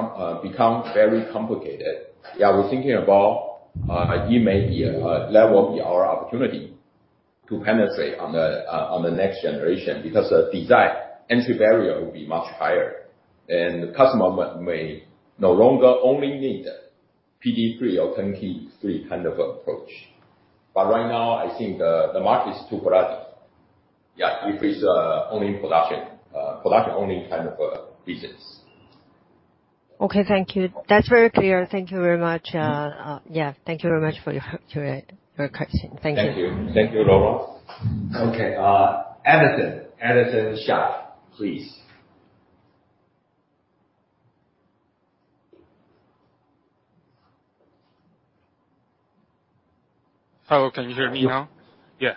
become very complicated. Yeah. We're thinking about it. It may be level be our opportunity to penetrate on the next generation because the design entry barrier will be much higher. The customer may no longer only need 2.5D or 3D kind of approach. But right now, I think the market's too flooded. Yeah. If it's only in production, production-only kind of a business. Okay. Thank you. That's very clear. Thank you very much. Yeah. Thank you very much for your question. Thank you. Thank you. Thank you, Laura. Okay. Alison Shack, please. Hello. Can you hear me now? Yeah.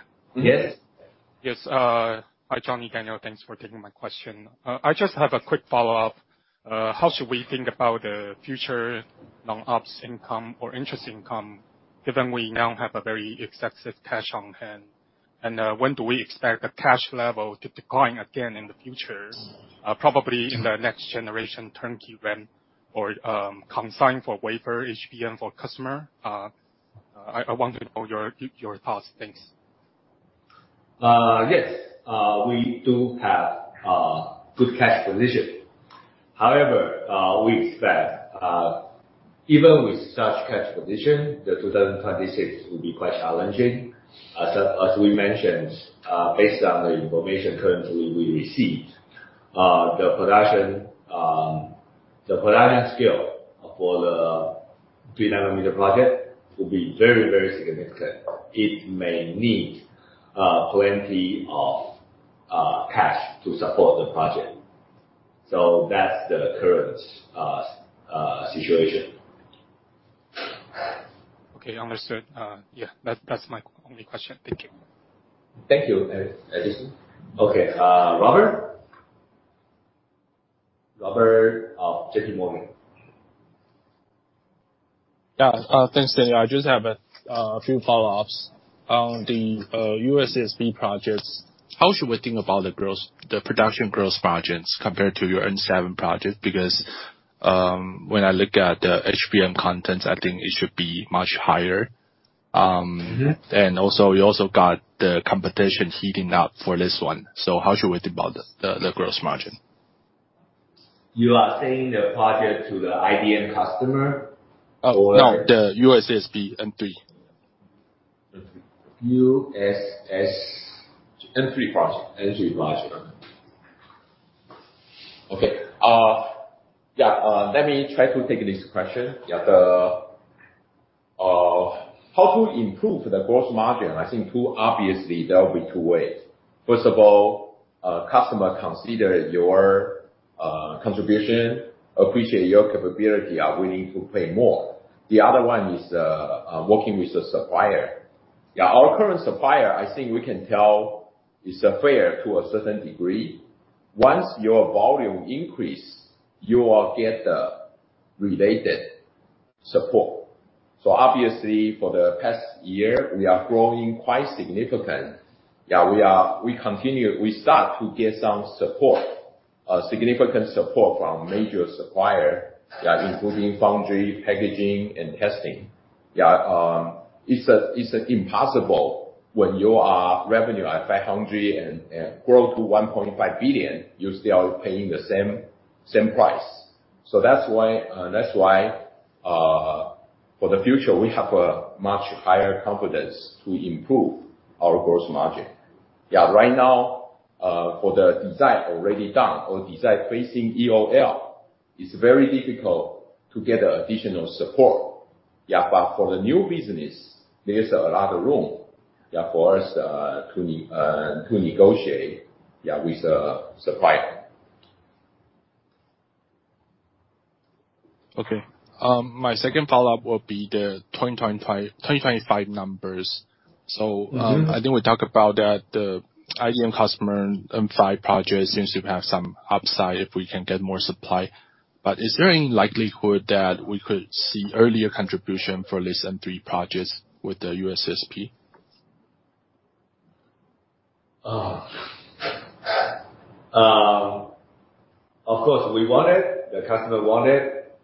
Yes. Hi, Johnny, Daniel. Thanks for taking my question. I just have a quick follow-up. How should we think about the future non-ops income or interest income given we now have a very excessive cash on hand? And, when do we expect the cash level to decline again in the future? Probably in the next generation turnkey NRE or consignment for wafer HBM for customer. I want to know your thoughts. Thanks. Yes. We do have a good cash position. However, we expect, even with such cash position, 2026 will be quite challenging. As we mentioned, based on the information currently we received, the production scale for the 3-nanometer project will be very, very significant. It may need plenty of cash to support the project. So that's the current situation. Okay. Understood. Yeah. That's my only question. Thank you. Thank you, Alison. Okay. Robert? Robert, good morning. Yeah. Thanks, Danny. I just have a few follow-ups on the US CSP projects. How should we think about the gross, the production gross margins compared to your N7 project? Because when I look at the HBM contents, I think it should be much higher. And also you also got the competition heating up for this one. So how should we think about the gross margin? You are saying the project to the IDM customer? Oh, no. The US CSP N3. N3. US CSP N3 project. N3 project. Okay. Yeah. Let me try to take this question. Yeah. The, how to improve the gross margin? I think two, obviously, there'll be two ways. First of all, customer consider your contribution, appreciate your capability, are willing to pay more. The other one is, working with the supplier. Yeah. Our current supplier, I think we can tell is fair to a certain degree. Once your volume increase, you will get the related support. So obviously, for the past year, we are growing quite significant. We continue to get some support, significant support from major supplier, including foundry, packaging, and testing. It's impossible when your revenue at 500 and grow to 1.5 billion, you're still paying the same price. So that's why, for the future, we have a much higher confidence to improve our gross margin. Right now, for the design already done or design facing EOL, it's very difficult to get additional support. But for the new business, there's a lot of room for us to negotiate with the supplier. Okay. My second follow-up will be the 2025 numbers. So, I think we talked about that the IDM customer N5 project seems to have some upside if we can get more supply. But is there any likelihood that we could see earlier contribution for this N3 projects with the U.S. CSP? Of course, we want it. The customer want it.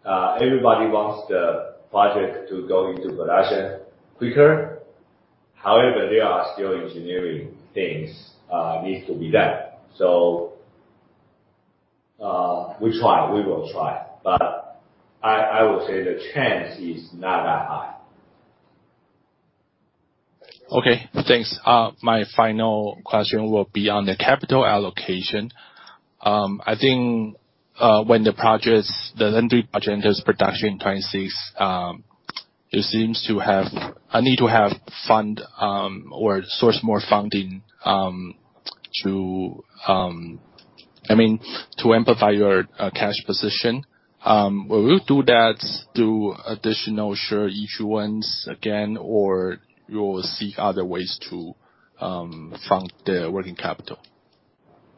Everybody wants the project to go into production quicker. However, there are still engineering things need to be done. So, we try. We will try. But I will say the chance is not that high. Okay. Thanks. My final question will be on the capital allocation. I think, when the projects, the N3 project enters production in 2026, it seems to have a need to have fund, or source more funding, to, I mean, to amplify your cash position. Will you do that through additional share issuance again, or you'll seek other ways to fund the working capital?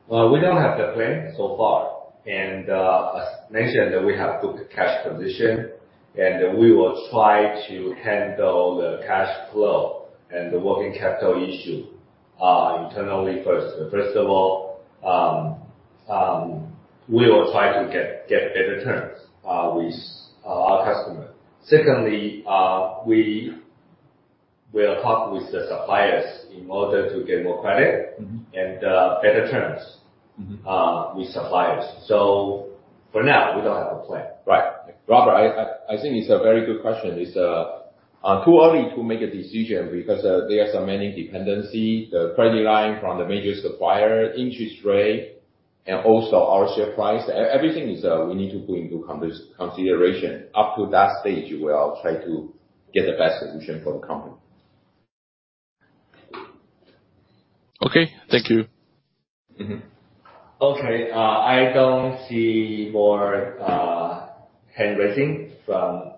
We don't have that plan so far. As mentioned, we have good cash position. We will try to handle the cash flow and the working capital issue internally first. First of all, we will try to get better terms with our customer. Secondly, we'll talk with the suppliers in order to get more credit. Mm-hmm. And better terms with suppliers. Mm-hmm. For now, we don't have a plan. Right. Robert, I think it's a very good question. It's too early to make a decision because there are so many dependencies: the credit line from the major supplier, interest rate, and also our share price. Everything is, we need to put into consideration. Up to that stage, we'll try to get the best solution for the company. Okay. Thank you. Mm-hmm. Okay. I don't see more hand raising from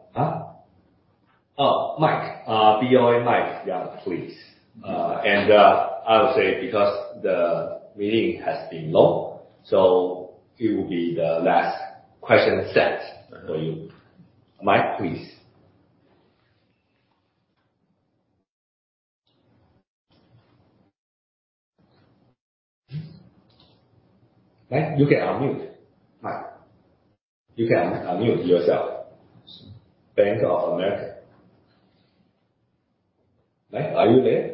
oh Mike BOA Mike yeah please. I'll say because the meeting has been long, so it will be the last question set for you. Mike please. Mike you can unmute. Mike you can unmute yourself. Bank of America. Mike are you there?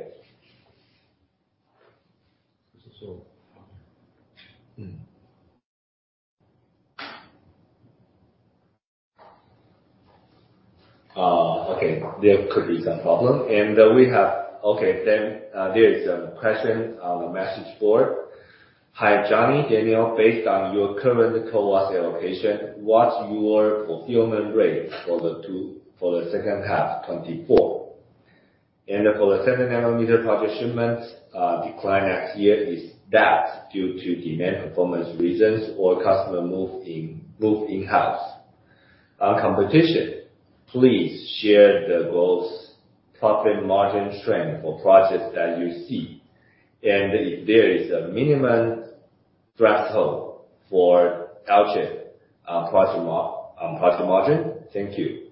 Okay. There could be some problem. And we have okay. Then there is a question message board. Hi Johnny, Daniel. Based on your current CoWoS allocation, what's your fulfillment rate for the two for the second half 2024? And for the 7-nanometer project shipments decline next year, is that due to demand performance reasons or customer move in move in-house competition? Please share the gross profit margin trend for projects that you see. And if there is a minimum threshold for LJ project mar project margin, thank you.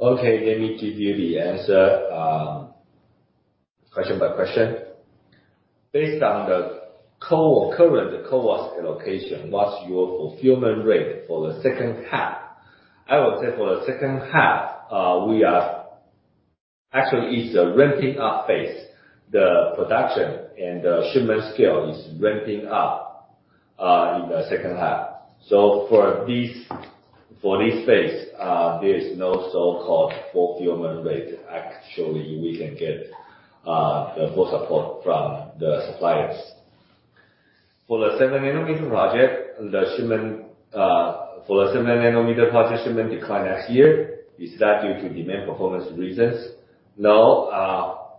Okay. Let me give you the answer question by question. Based on the concurrent CoWoS allocation, what's your fulfillment rate for the second half? I will say for the second half, we are actually. It's a ramping up phase. The production and the shipment scale is ramping up in the second half. So for this phase, there is no so-called fulfillment rate. Actually, we can get the full support from the suppliers. For the 7-nanometer project shipment decline next year, is that due to demand performance reasons? No.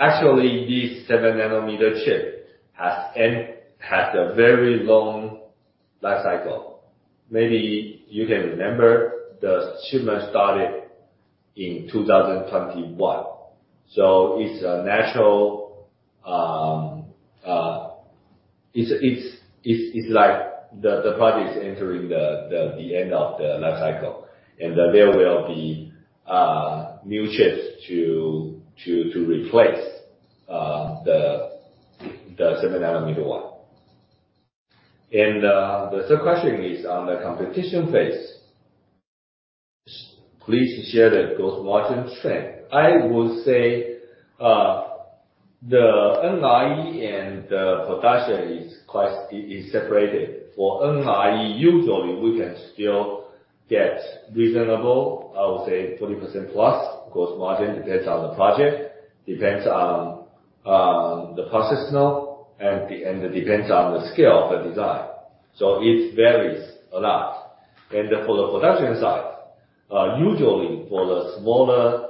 Actually, this 7-nanometer chip has a very long life cycle. Maybe you can remember the shipment started in 2021. So it's a natural. It's like the project is entering the end of the life cycle, and there will be new chips to replace the 7-nanometer one. The third question is on the competition phase. Please share the gross margin trend. I would say, the NRE and the production is quite separated. For NRE, usually, we can still get reasonable, I would say, 40% plus gross margin depends on the project, depends on the process node, and it depends on the scale of the design. So it varies a lot. And for the production side, usually, for the smaller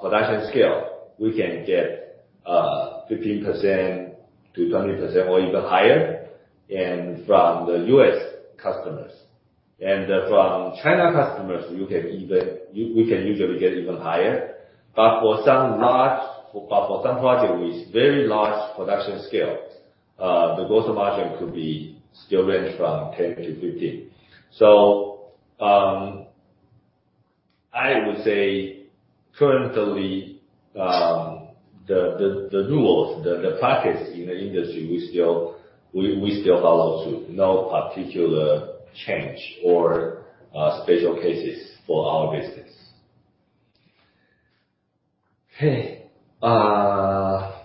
production scale, we can get 15%-20% or even higher from the US customers. And from China customers, we can usually get even higher. But for some projects with very large production scale, the gross margin could still range from 10%-15%. So, I would say currently, the rules, the practice in the industry, we still follow through. No particular change or special cases for our business. Okay. Mike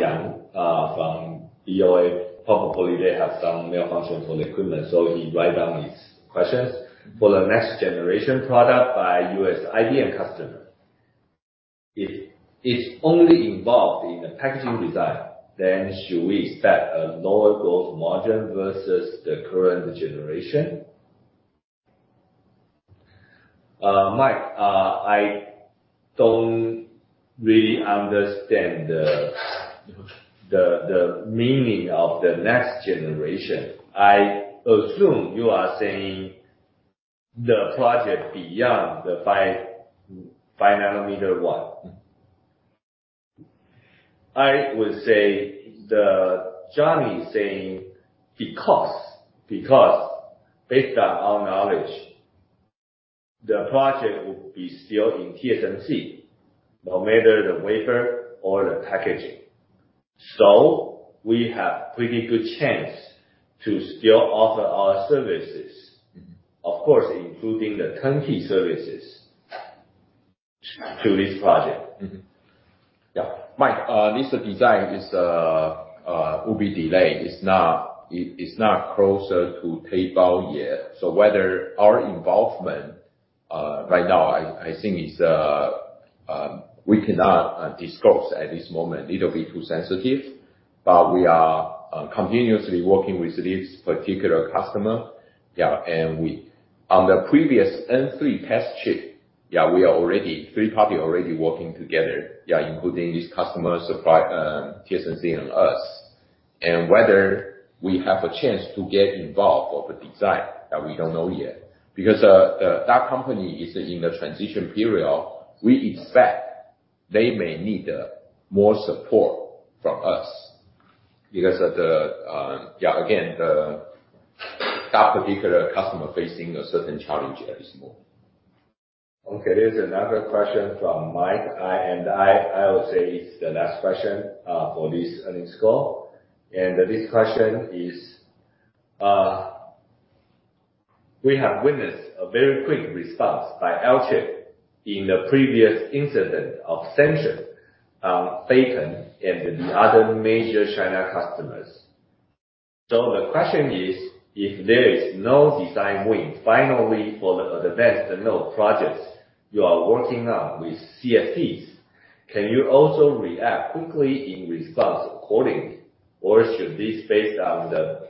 Yang, from BOA, probably they have some malfunction for the equipment, so he write down his questions. For the next generation product by US IDM customer, if it's only involved in the packaging design, then should we expect a lower gross margin versus the current generation? Mike, I don't really understand the meaning of the next generation. I assume you are saying the project beyond the 5-nanometer one. I would say the Johnny is saying because based on our knowledge, the project will be still in TSMC, no matter the wafer or the packaging. So we have pretty good chance to still offer our services, of course, including the turnkey services to this project. Mm-hmm. Yeah. Mike, this design is, will be delayed. It's not closer to tape-out yet. So whether our involvement right now, I think we cannot disclose at this moment. It'll be too sensitive. But we are continuously working with this particular customer. And we on the previous N3 test chip, we are already three-party working together, including this customer supply, TSMC and us. And whether we have a chance to get involved for the design, we don't know yet. Because that company is in the transition period. We expect they may need more support from us because of the, again, that particular customer facing a certain challenge at this moment. Okay. There's another question from Mike. And I will say it's the last question for this earnings call. And this question is, we have witnessed a very quick response by Alchip in the previous incident of sanction on Phytium and the other major China customers. So the question is, if there is no design win, finally, for the advanced node projects you are working on with CSPs, can you also react quickly in response accordingly? Or should this based on the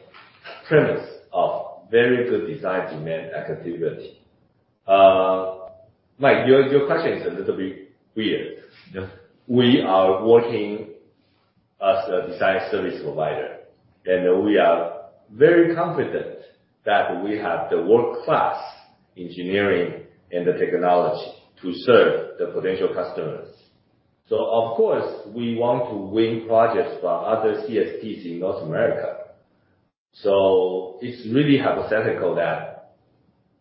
premise of very good design demand activity? Mike, your, your question is a little bit weird. We are working as a design service provider, and we are very confident that we have the world-class engineering and the technology to serve the potential customers. So, of course, we want to win projects for other CSPs in North America. So it's really hypothetical that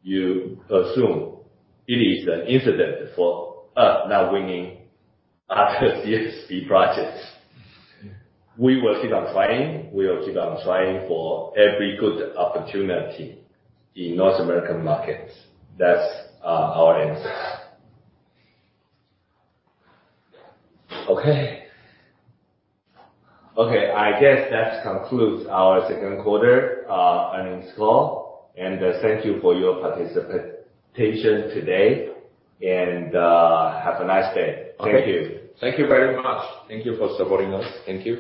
you assume it is an incident for us not winning other CSP projects. We will keep on trying. We will keep on trying for every good opportunity in North American markets. That's our answer. Okay. Okay. I guess that concludes our second quarter earnings call. And thank you for your participation today. And have a nice day. Thank you. Thank you very much. Thank you for supporting us. Thank you.